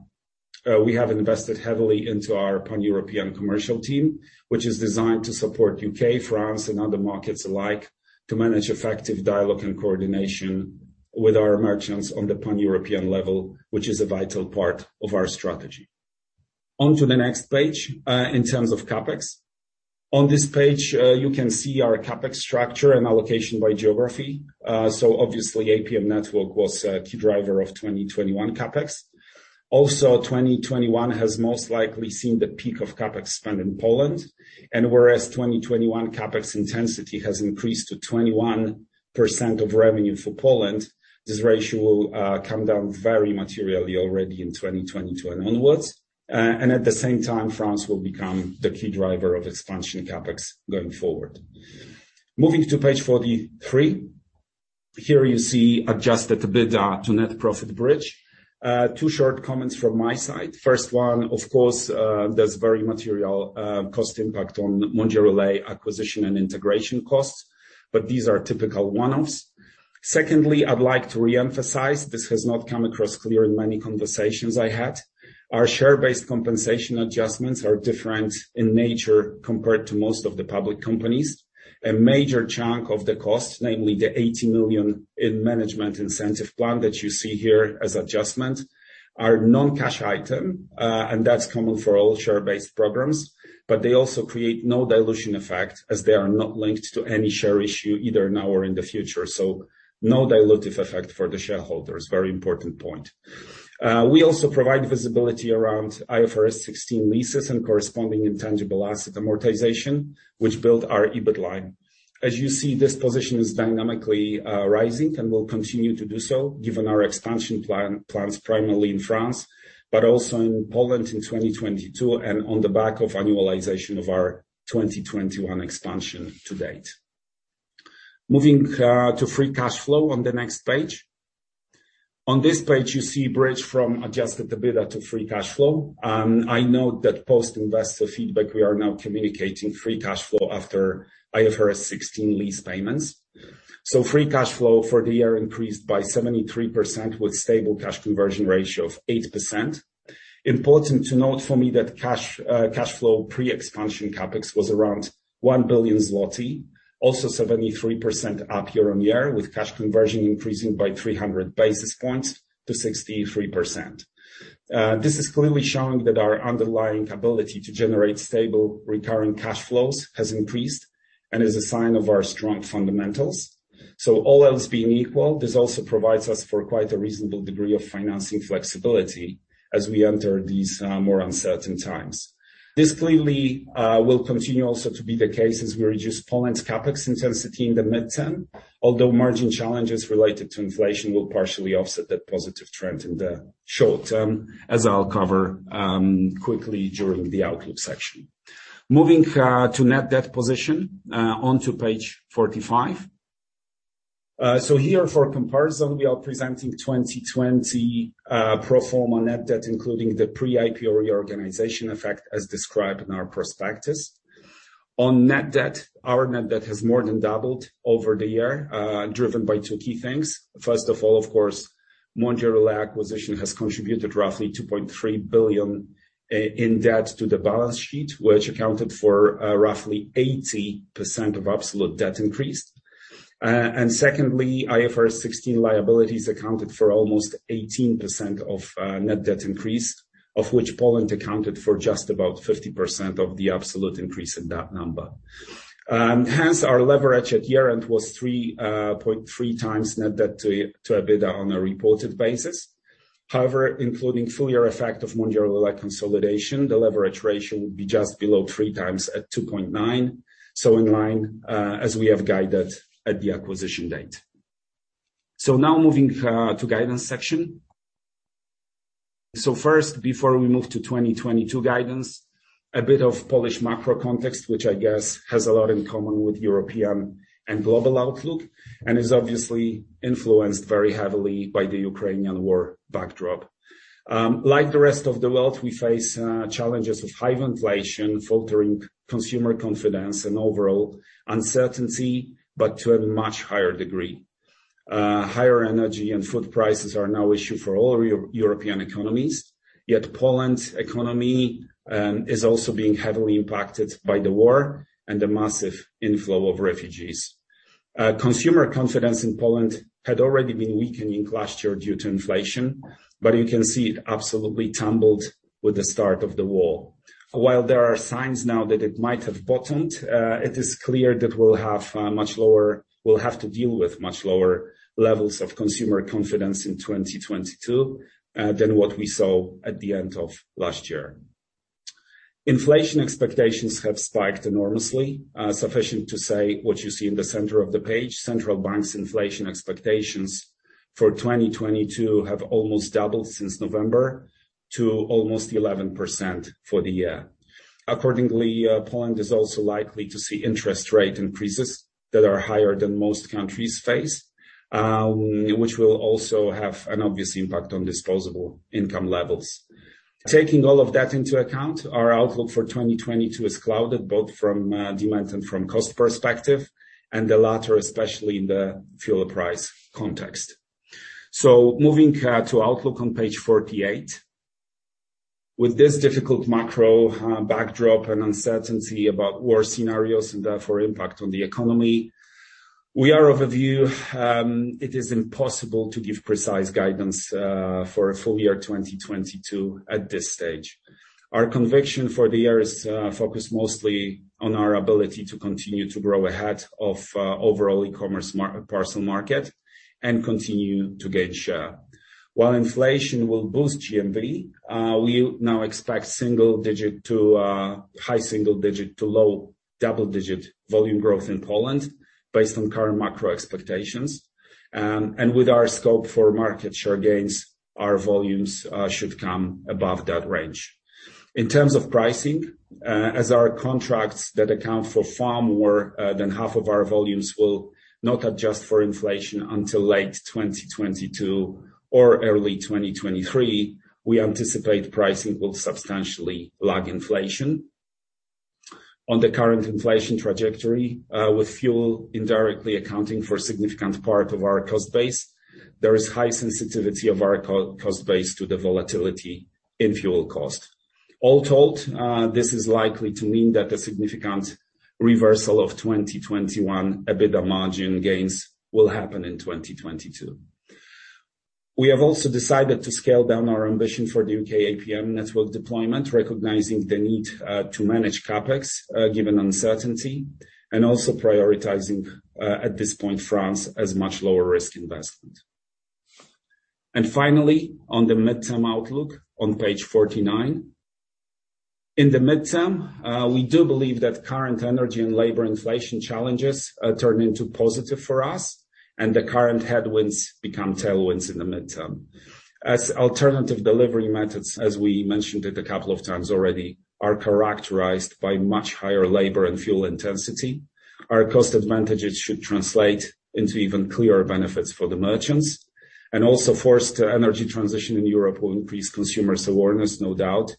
we have invested heavily into our Pan-European commercial team, which is designed to support U.K., France and other markets alike to manage effective dialogue and coordination with our merchants on the Pan-European level, which is a vital part of our strategy. On to the next page, in terms of CapEx. On this page, you can see our CapEx structure and allocation by geography. So obviously, APM network was a key driver of 2021 CapEx. Also, 2021 has most likely seen the peak of CapEx spend in Poland. Whereas 2021 CapEx intensity has increased to 21% of revenue for Poland, this ratio will come down very materially already in 2022 onwards. At the same time, France will become the key driver of expansion CapEx going forward. Moving to page 43. Here you see adjusted EBITDA to net profit bridge. Two short comments from my side. First one, of course, there's very material cost impact on Mondial Relay acquisition and integration costs, but these are typical one-offs. Secondly, I'd like to re-emphasize this has not come across clear in many conversations I had. Our share-based compensation adjustments are different in nature compared to most of the public companies. A major chunk of the cost, namely the 80 million in management incentive plan that you see here as adjustment, are non-cash item, and that's common for all share-based programs. They also create no dilution effect as they are not linked to any share issue either now or in the future. No dilutive effect for the shareholders. Very important point. We also provide visibility around IFRS 16 leases and corresponding intangible asset amortization, which build our EBIT line. As you see, this position is dynamically rising and will continue to do so given our expansion plan, plans primarily in France, but also in Poland in 2022 and on the back of annualization of our 2021 expansion to date. Moving to free cash flow on the next page. On this page, you see bridge from adjusted EBITDA to free cash flow. I know that post investor feedback, we are now communicating free cash flow after IFRS 16 lease payments. Free cash flow for the year increased by 73% with stable cash conversion ratio of 8%. Important to note for me that cash flow pre-expansion CapEx was around 1 billion zloty. Also 73% up year-on-year with cash conversion increasing by 300 basis points to 63%. This is clearly showing that our underlying ability to generate stable recurring cash flows has increased and is a sign of our strong fundamentals. All else being equal, this also provides us for quite a reasonable degree of financing flexibility as we enter these more uncertain times. This clearly will continue also to be the case as we reduce Poland's CapEx intensity in the midterm. Although margin challenges related to inflation will partially offset that positive trend in the short term, as I'll cover quickly during the outlook section. Moving to net debt position onto page 45. So here for comparison, we are presenting 2020 pro forma net debt, including the pre-IPO reorganization effect as described in our prospectus. On net debt, our net debt has more than doubled over the year, driven by two key things. First of all, of course, Mondial Relay acquisition has contributed roughly 2.3 billion in debt to the balance sheet, which accounted for roughly 80% of absolute debt increase. Secondly, IFRS 16 liabilities accounted for almost 18% of net debt increase, of which Poland accounted for just about 50% of the absolute increase in that number. Hence, our leverage at year-end was 3.3x net debt to EBITDA on a reported basis. However, including full year effect of Mondial Relay consolidation, the leverage ratio would be just below 3x at 2.9. In line, as we have guided at the acquisition date. Now moving to guidance section. First, before we move to 2022 guidance, a bit of Polish macro context, which I guess has a lot in common with European and global outlook, and is obviously influenced very heavily by the Ukrainian war backdrop. Like the rest of the world, we face challenges with high inflation, faltering consumer confidence and overall uncertainty, but to a much higher degree. Higher energy and food prices are now an issue for all European economies, yet Poland's economy is also being heavily impacted by the war and the massive inflow of refugees. Consumer confidence in Poland had already been weakening last year due to inflation, but you can see it absolutely tumbled with the start of the war. While there are signs now that it might have bottomed, it is clear that we'll have to deal with much lower levels of consumer confidence in 2022 than what we saw at the end of last year. Inflation expectations have spiked enormously, safe to say what you see in the center of the page. Central Bank's inflation expectations for 2022 have almost doubled since November to almost 11% for the year. Accordingly, Poland is also likely to see interest rate increases that are higher than most countries face, which will also have an obvious impact on disposable income levels. Taking all of that into account, our outlook for 2022 is clouded both from demand and from cost perspective, and the latter, especially in the fuel price context. Moving to outlook on page 48. With this difficult macro backdrop and uncertainty about war scenarios and therefore impact on the economy, we are of a view it is impossible to give precise guidance for a full year 2022 at this stage. Our conviction for the year is focused mostly on our ability to continue to grow ahead of overall e-commerce parcel market and continue to gain share. While inflation will boost GMV, we now expect single digit to high single digit to low double-digit volume growth in Poland based on current macro expectations. With our scope for market share gains, our volumes should come above that range. In terms of pricing, as our contracts that account for far more than half of our volumes will not adjust for inflation until late 2022 or early 2023, we anticipate pricing will substantially lag inflation. On the current inflation trajectory, with fuel indirectly accounting for a significant part of our cost base, there is high sensitivity of our cost base to the volatility in fuel cost. All told, this is likely to mean that a significant reversal of 2021 EBITDA margin gains will happen in 2022. We have also decided to scale down our ambition for the U.K. APM network deployment, recognizing the need to manage CapEx given uncertainty, and also prioritizing at this point, France as much lower risk investment. Finally, on the midterm outlook on page 49. In the midterm, we do believe that current energy and labor inflation challenges turn into positive for us and the current headwinds become tailwinds in the midterm. As alternative delivery methods, as we mentioned it a couple of times already, are characterized by much higher labor and fuel intensity. Our cost advantages should translate into even clearer benefits for the merchants. Also forced energy transition in Europe will increase consumers' awareness, no doubt,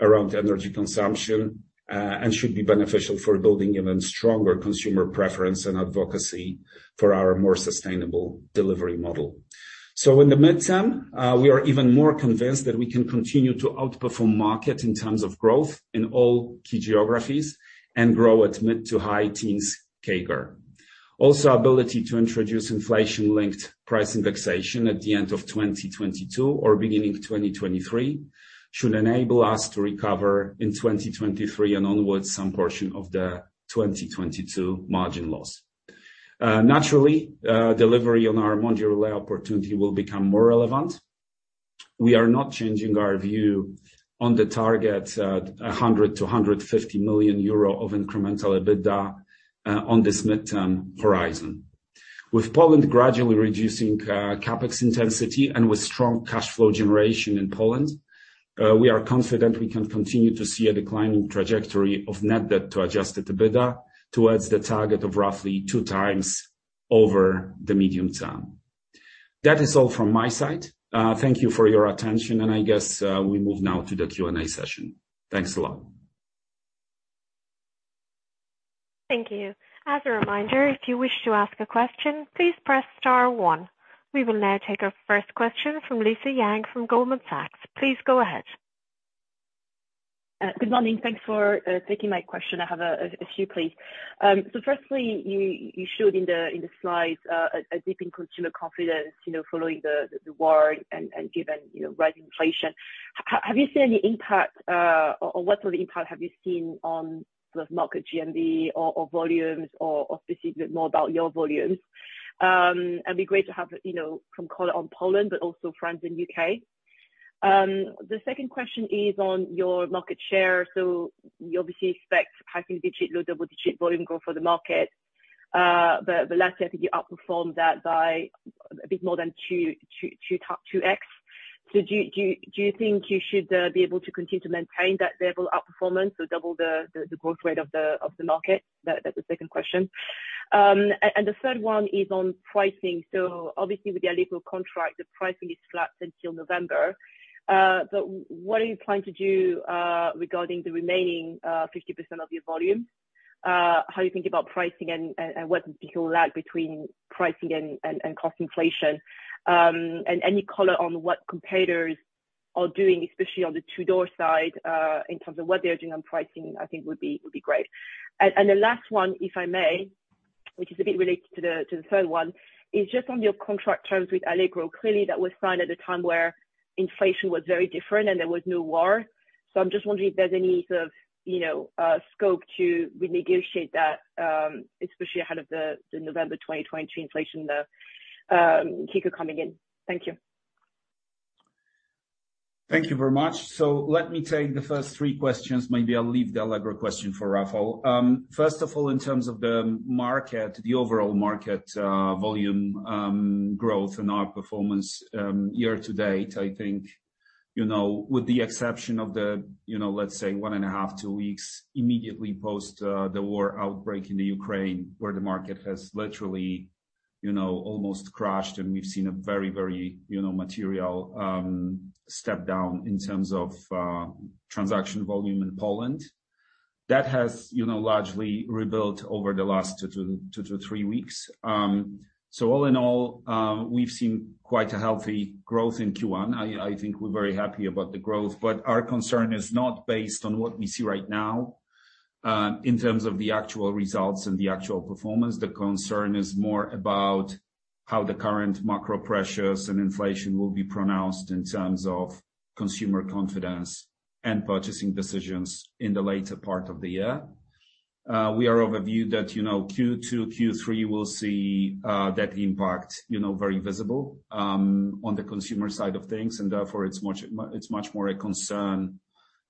around energy consumption and should be beneficial for building even stronger consumer preference and advocacy for our more sustainable delivery model. In the midterm, we are even more convinced that we can continue to outperform market in terms of growth in all key geographies and grow at mid- to high-teens CAGR. Also, ability to introduce inflation-linked price indexation at the end of 2022 or beginning 2023 should enable us to recover in 2023 and onwards some portion of the 2022 margin loss. Naturally, delivery on our modular opportunity will become more relevant. We are not changing our view on the target 100 million euro- 150 million euro of incremental EBITDA on this midterm horizon. With Poland gradually reducing CapEx intensity and with strong cash flow generation in Poland, we are confident we can continue to see a declining trajectory of net debt to adjusted EBITDA towards the target of roughly 2x over the medium term. That is all from my side. Thank you for your attention, and I guess we move now to the Q&A session. Thanks a lot. Thank you. As a reminder, if you wish to ask a question, please press star one. We will now take our first question from Lisa Yang from Goldman Sachs. Please go ahead. Good morning. Thanks for taking my question. I have a few, please. Firstly, you showed in the slides a dip in consumer confidence, you know, following the war and given, you know, rising inflation. Have you seen any impact, or what sort of impact have you seen on sort of market GMV or volumes or specifically more about your volumes? It'd be great to have, you know, some color on Poland, but also France and U.K. The second question is on your market share. You obviously expect high single-digit, low double-digit volume growth for the market. The last year I think you outperformed that by a bit more than two, 2x. Do you think you should be able to continue to maintain that level of outperformance or double the growth rate of the market? That's the second question. The third one is on pricing. Obviously with the Allegro contract, the pricing is flat until November. What are you planning to do regarding the remaining 50% of your volume? How are you thinking about pricing and what the particular lag between pricing and cost inflation? Any color on what competitors are doing, especially on the To-Door side, in terms of what they're doing on pricing, I think, would be great. The last one, if I may, which is a bit related to the third one, is just on your contract terms with Allegro. Clearly that was signed at a time where inflation was very different and there was no war. I'm just wondering if there's any sort of, you know, scope to renegotiate that, especially ahead of the November 2022 inflation peak coming in. Thank you. Thank you very much. Let me take the first three questions. Maybe I'll leave the Allegro question for Rafał. First of all, in terms of the market, the overall market volume growth and our performance year to date, I think, you know, with the exception of the, you know, let's say 1.5-2 weeks, immediately post the war outbreak in the Ukraine, where the market has literally, you know, almost crashed. We've seen a very material step down in terms of transaction volume in Poland. That has, you know, largely rebuilt over the last two to three weeks. All in all, we've seen quite a healthy growth in Q1. I think we're very happy about the growth, but our concern is not based on what we see right now in terms of the actual results and the actual performance. The concern is more about how the current macro pressures and inflation will be pronounced in terms of consumer confidence and purchasing decisions in the later part of the year. We are of a view that, you know, Q2, Q3 will see that impact, you know, very visible on the consumer side of things, and therefore it's much more a concern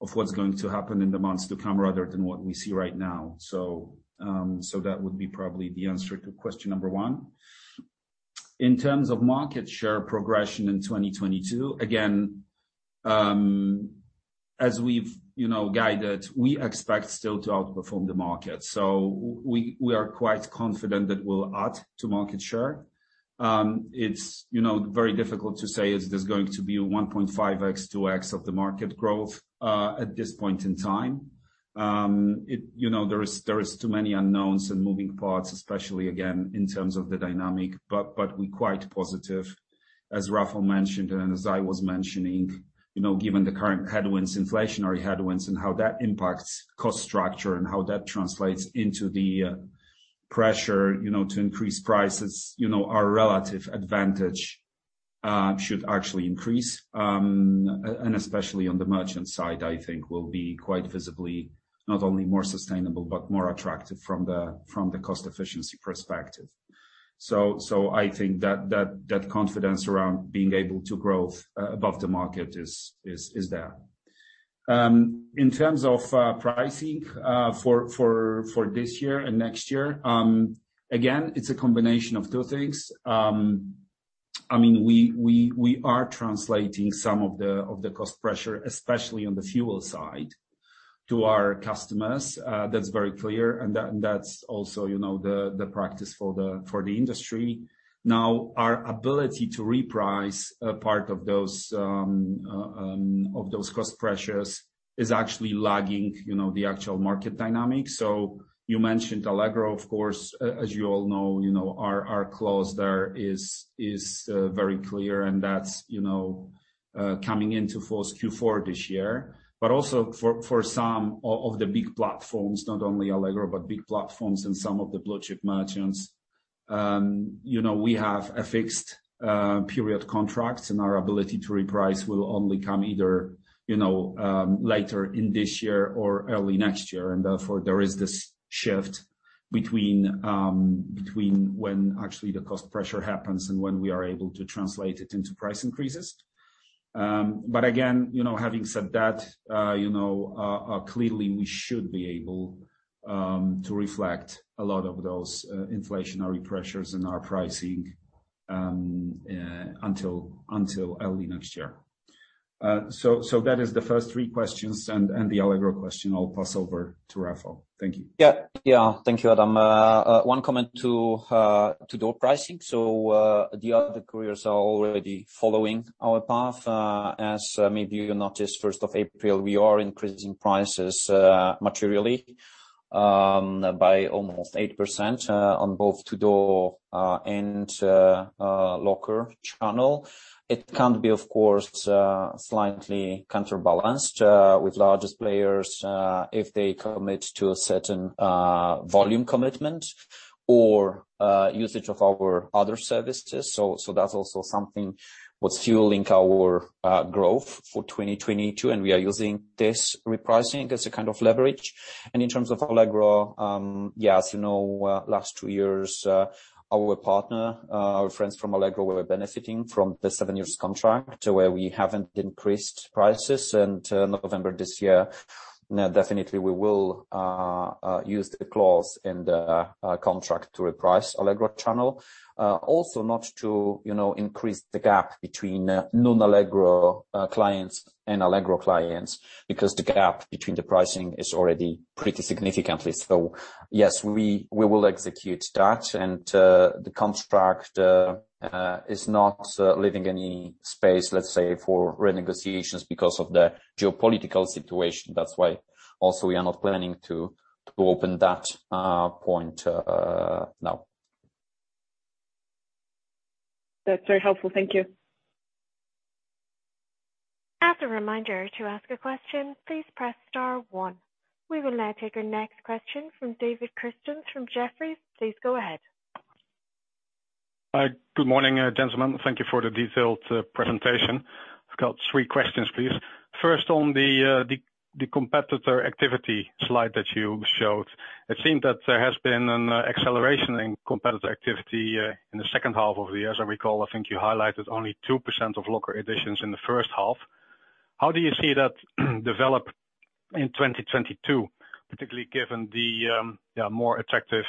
of what's going to happen in the months to come rather than what we see right now. That would be probably the answer to question number one. In terms of market share progression in 2022, again, as we've, you know, guided, we expect still to outperform the market. We are quite confident that we'll add to market share. It's, you know, very difficult to say, is this going to be a 1.5x, 2x of the market growth, at this point in time. It, you know, there is too many unknowns and moving parts, especially again, in terms of the dynamic, but we're quite positive. As Rafał mentioned, and as I was mentioning, you know, given the current headwinds, inflationary headwinds and how that impacts cost structure and how that translates into the pressure, you know, to increase prices. Our relative advantage should actually increase. Especially on the merchant side, I think we'll be quite visibly not only more sustainable, but more attractive from the cost efficiency perspective. I think that confidence around being able to grow above the market is there. In terms of pricing for this year and next year, again, it's a combination of two things. I mean, we are translating some of the cost pressure, especially on the fuel side to our customers. That's very clear, and that's also, you know, the practice for the industry. Now, our ability to reprice a part of those cost pressures is actually lagging, you know, the actual market dynamics. You mentioned Allegro, of course, as you all know, you know, our clause there is very clear, and that's coming into force Q4 this year. Also for some of the big platforms, not only Allegro, but big platforms and some of the blue chip merchants, you know, we have fixed period contracts, and our ability to reprice will only come either, you know, later in this year or early next year. Therefore, there is this shift between when actually the cost pressure happens and when we are able to translate it into price increases. Again, you know, having said that, clearly we should be able to reflect a lot of those inflationary pressures in our pricing until early next year. That is the first three questions and the Allegro question I'll pass over to Rafał. Thank you. Thank you, Adam. One comment to To-Door pricing. The other couriers are already following our path. As maybe you noticed, 1st of April, we are increasing prices materially by almost 8% on both To-Door and locker channel. It can be, of course, slightly counterbalanced with largest players if they commit to a certain volume commitment or usage of our other services. That's also something that's fueling our growth for 2022, and we are using this repricing as a kind of leverage. In terms of Allegro, as you know, last two years, our partner, our friends from Allegro were benefiting from the seven-year contract through which we haven't increased prices. November this year, definitely we will use the clause in the contract to reprice Allegro channel. Also not to, you know, increase the gap between non-Allegro clients and Allegro clients because the gap between the pricing is already pretty significantly. Yes, we will execute that. The contract is not leaving any space, let's say, for renegotiations because of the geopolitical situation. That's why also we are not planning to open that point now. That's very helpful. Thank you. As a reminder, to ask a question, please press star one. We will now take our next question from David Kerstens from Jefferies. Please go ahead. Hi. Good morning, gentlemen. Thank you for the detailed presentation. I've got three questions, please. First, on the competitor activity slide that you showed, it seemed that there has been an acceleration in competitor activity in the second half of the year. As I recall, I think you highlighted only 2% of local additions in the first half. How do you see that develop in 2022, particularly given the more attractive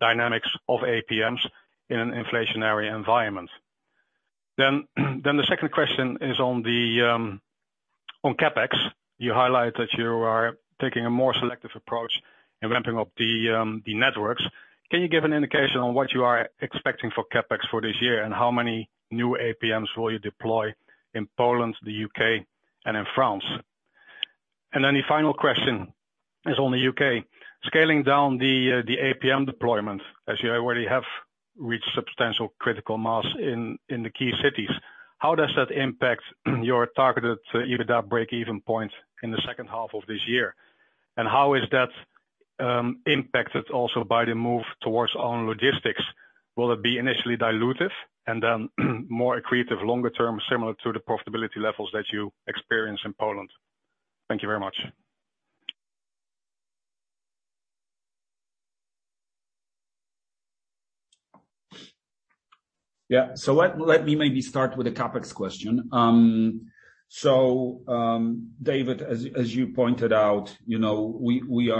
dynamics of APMs in an inflationary environment? The second question is on CapEx. You highlight that you are taking a more selective approach in ramping up the networks. Can you give an indication on what you are expecting for CapEx for this year, and how many new APMs will you deploy in Poland, the U.K., and in France? The final question is on the U.K. Scaling down the APM deployment, as you already have reached substantial critical mass in the key cities, how does that impact your targeted EBITDA breakeven points in the second half of this year? How is that impacted also by the move towards own logistics? Will it be initially dilutive and then more accretive longer term, similar to the profitability levels that you experience in Poland? Thank you very much. Yeah. Let me maybe start with the CapEx question. David, as you pointed out, you know, we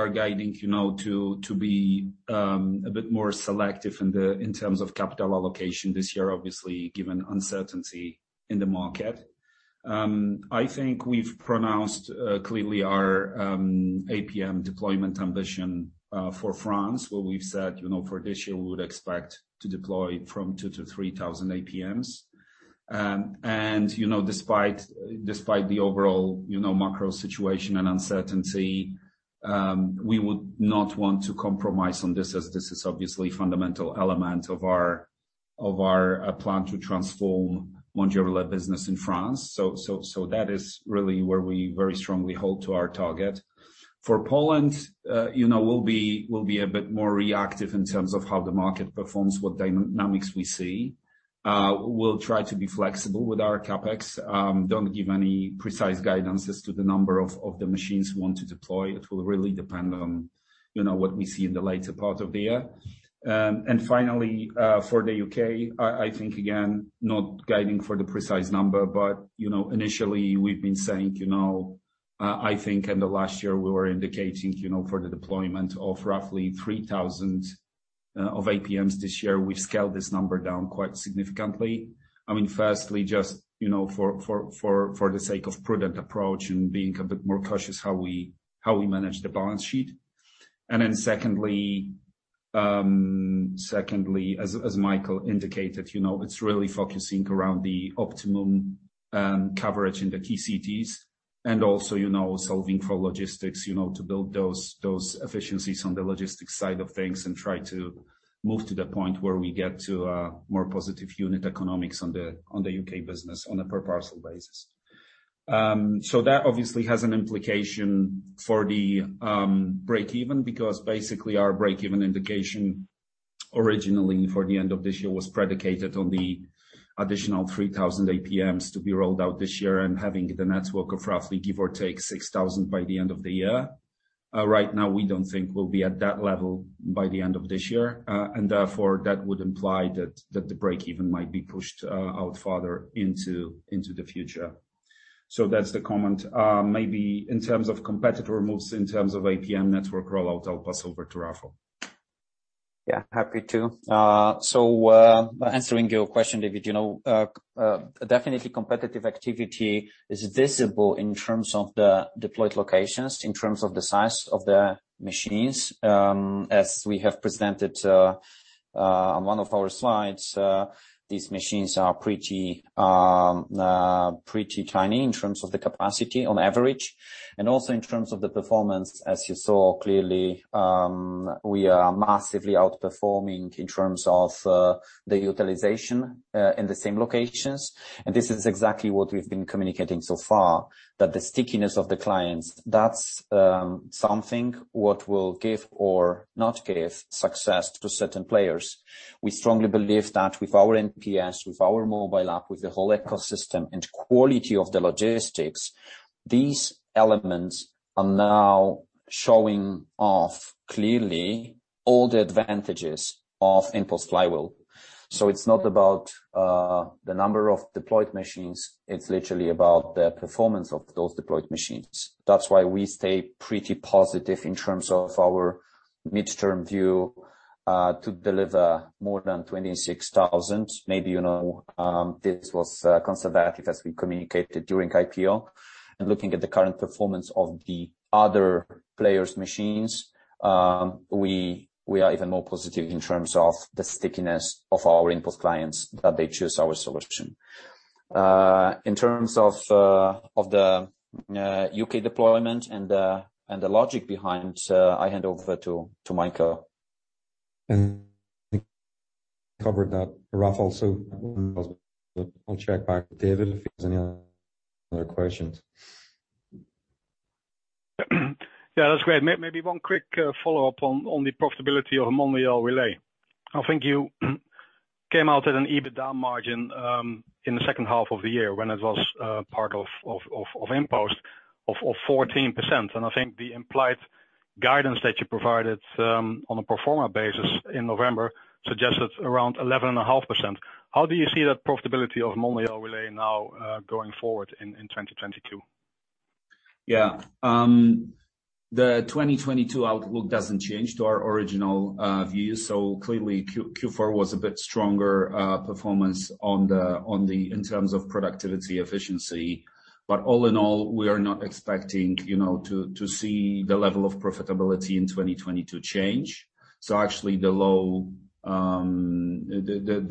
are guiding, you know, to be a bit more selective in terms of capital allocation this year, obviously, given uncertainty in the market. I think we've pronounced clearly our APM deployment ambition for France, where we've said, you know, for this year, we would expect to deploy from 2,000-3,000 APMs. Despite the overall, you know, macro situation and uncertainty, we would not want to compromise on this, as this is obviously fundamental element of our plan to transform Mondial Relay business in France. That is really where we very strongly hold to our target. For Poland, you know, we'll be a bit more reactive in terms of how the market performs, what dynamics we see. We'll try to be flexible with our CapEx. Don't give any precise guidance as to the number of the machines we want to deploy. It will really depend on, you know, what we see in the later part of the year. And finally, for the U.K., I think, again, not guiding for the precise number, but, you know, initially we've been saying, you know. I think in the last year we were indicating, you know, for the deployment of roughly 3,000 of APMs this year. We've scaled this number down quite significantly. I mean, firstly, just, you know, for the sake of prudent approach and being a bit more cautious how we manage the balance sheet. Secondly, as Michael indicated, you know, it's really focusing around the optimum coverage in the TCTs and also, you know, solving for logistics, you know, to build those efficiencies on the logistics side of things and try to move to the point where we get to a more positive unit economics on the U.K. business on a per parcel basis. That obviously has an implication for the breakeven, because basically our breakeven indication originally for the end of this year was predicated on the additional 3,000 APMs to be rolled out this year and having the network of roughly give or take 6,000 by the end of the year. Right now we don't think we'll be at that level by the end of this year, and therefore that would imply that the breakeven might be pushed out farther into the future. That's the comment. Maybe in terms of competitor moves, in terms of APM network rollout, I'll pass over to Rafał. Yeah, happy to. So, answering your question, David, you know, definitely competitive activity is visible in terms of the deployed locations, in terms of the size of the machines. As we have presented, on one of our slides, these machines are pretty tiny in terms of the capacity on average and also in terms of the performance. As you saw, clearly, we are massively outperforming in terms of the utilization in the same locations. This is exactly what we've been communicating so far, that the stickiness of the clients, that's something what will give or not give success to certain players. We strongly believe that with our NPS, with our mobile app, with the whole ecosystem and quality of the logistics, these elements are now showing off clearly all the advantages of InPost flywheel. It's not about the number of deployed machines, it's literally about the performance of those deployed machines. That's why we stay pretty positive in terms of our midterm view to deliver more than 26,000. Maybe, you know, this was conservative as we communicated during IPO. Looking at the current performance of the other players' machines, we are even more positive in terms of the stickiness of our InPost clients that they choose our solution. In terms of the U.K. deployment and the logic behind, I hand over to Michael. I think we've covered that, Rafał, so I'll check back with David if he has any other questions. Yeah, that's great. Maybe one quick follow-up on the profitability of Mondial Relay. I think you came out at an EBITDA margin in the second half of the year when it was part of InPost of 14%. I think the implied guidance that you provided on a pro forma basis in November suggested around 11.5%. How do you see that profitability of Mondial Relay now going forward in 2022? Yeah. The 2022 outlook doesn't change to our original view. Clearly Q4 was a bit stronger performance in terms of productivity efficiency. All in all, we are not expecting, you know, to see the level of profitability in 2022 change. Actually the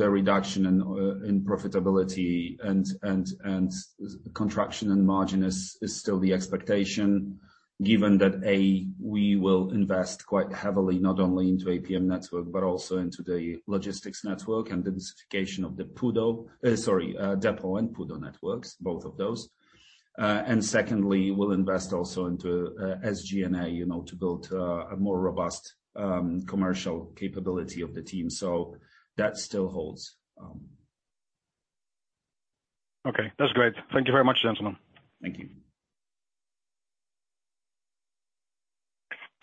reduction in profitability and contraction in margin is still the expectation, given that, A, we will invest quite heavily not only into APM network, but also into the logistics network and the densification of the PUDO depot and PUDO networks, both of those. And secondly, we'll invest also into SG&A, you know, to build a more robust commercial capability of the team. That still holds. Okay. That's great. Thank you very much, gentlemen. Thank you.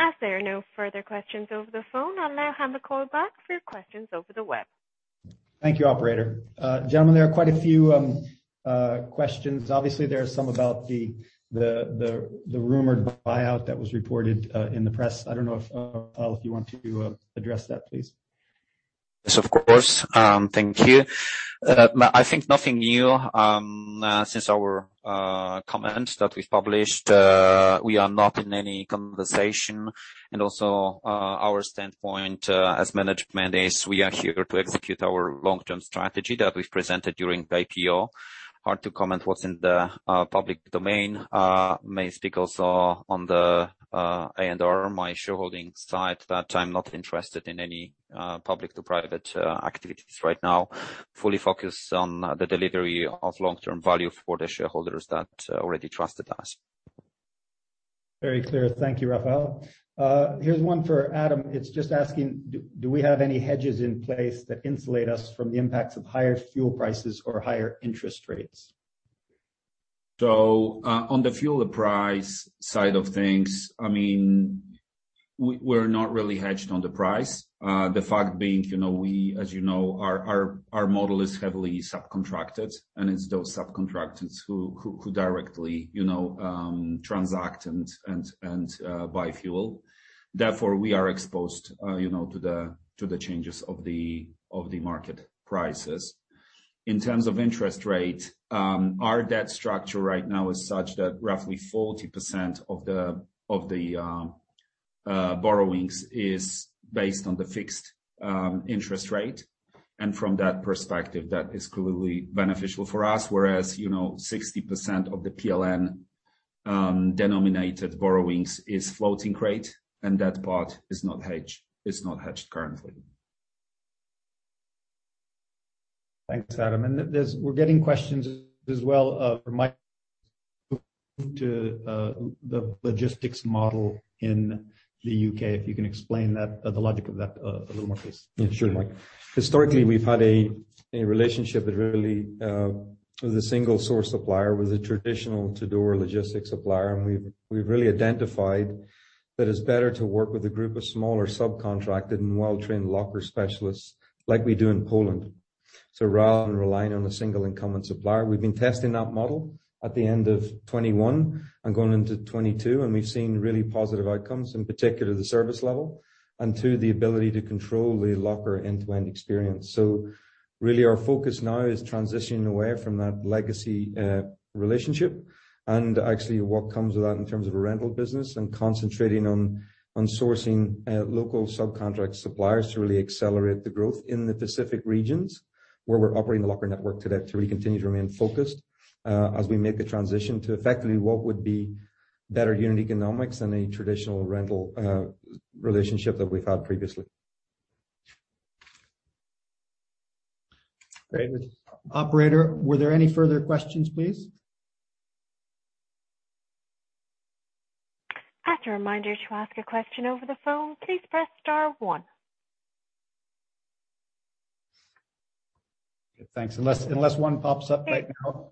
As there are no further questions over the phone, I'll now hand the call back for your questions over the web. Thank you, operator. Gentlemen, there are quite a few questions. Obviously, there are some about the rumored buyout that was reported in the press. I don't know if you want to address that, please. Yes, of course. Thank you. I think nothing new since our comments that we've published. We are not in any conversation. Also, our standpoint as management is we are here to execute our long-term strategy that we've presented during the IPO. Hard to comment what's in the public domain. I may speak also on the as a shareholder, my shareholding side, that I'm not interested in any public to private activities right now. Fully focused on the delivery of long-term value for the shareholders that already trusted us. Very clear. Thank you, Rafał. Here's one for Adam. It's just asking, do we have any hedges in place that insulate us from the impacts of higher fuel prices or higher interest rates? on the fuel price side of things, I mean. We're not really hedged on the price. The fact being, as you know, our model is heavily subcontracted, and it's those subcontractors who directly transact and buy fuel. Therefore, we are exposed to the changes of the market prices. In terms of interest rate, our debt structure right now is such that roughly 40% of the borrowings is based on the fixed interest rate. From that perspective, that is clearly beneficial for us. Whereas, 60% of the PLN denominated borrowings is floating rate, and that part is not hedged currently. Thanks, Adam. We're getting questions as well from Mike too, the logistics model in the U.K. If you can explain that, the logic of that, a little more, please. Yeah, sure, Mike. Historically, we've had a relationship with really with a single source supplier, with a traditional To-Door logistics supplier. We've really identified that it's better to work with a group of smaller subcontracted and well-trained locker specialists like we do in Poland. Rather than relying on a single incumbent supplier, we've been testing that model at the end of 2021 and going into 2022, and we've seen really positive outcomes, in particular, the service level, and two, the ability to control the locker end-to-end experience. Really our focus now is transitioning away from that legacy relationship and actually what comes with that in terms of a rental business and concentrating on sourcing local subcontract suppliers to really accelerate the growth in the specific regions where we're operating the locker network today, to really continue to remain focused as we make the transition to effectively what would be better unit economics than a traditional rental relationship that we've had previously. Great. Operator, were there any further questions, please? As a reminder, to ask a question over the phone, please press star one. Thanks. Unless one pops up right now.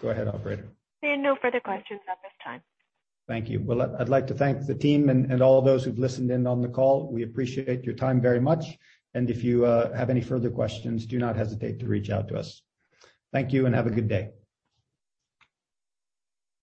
Go ahead, operator. There are no further questions at this time. Thank you. Well, I'd like to thank the team and all those who've listened in on the call. We appreciate your time very much. If you have any further questions, do not hesitate to reach out to us. Thank you and have a good day.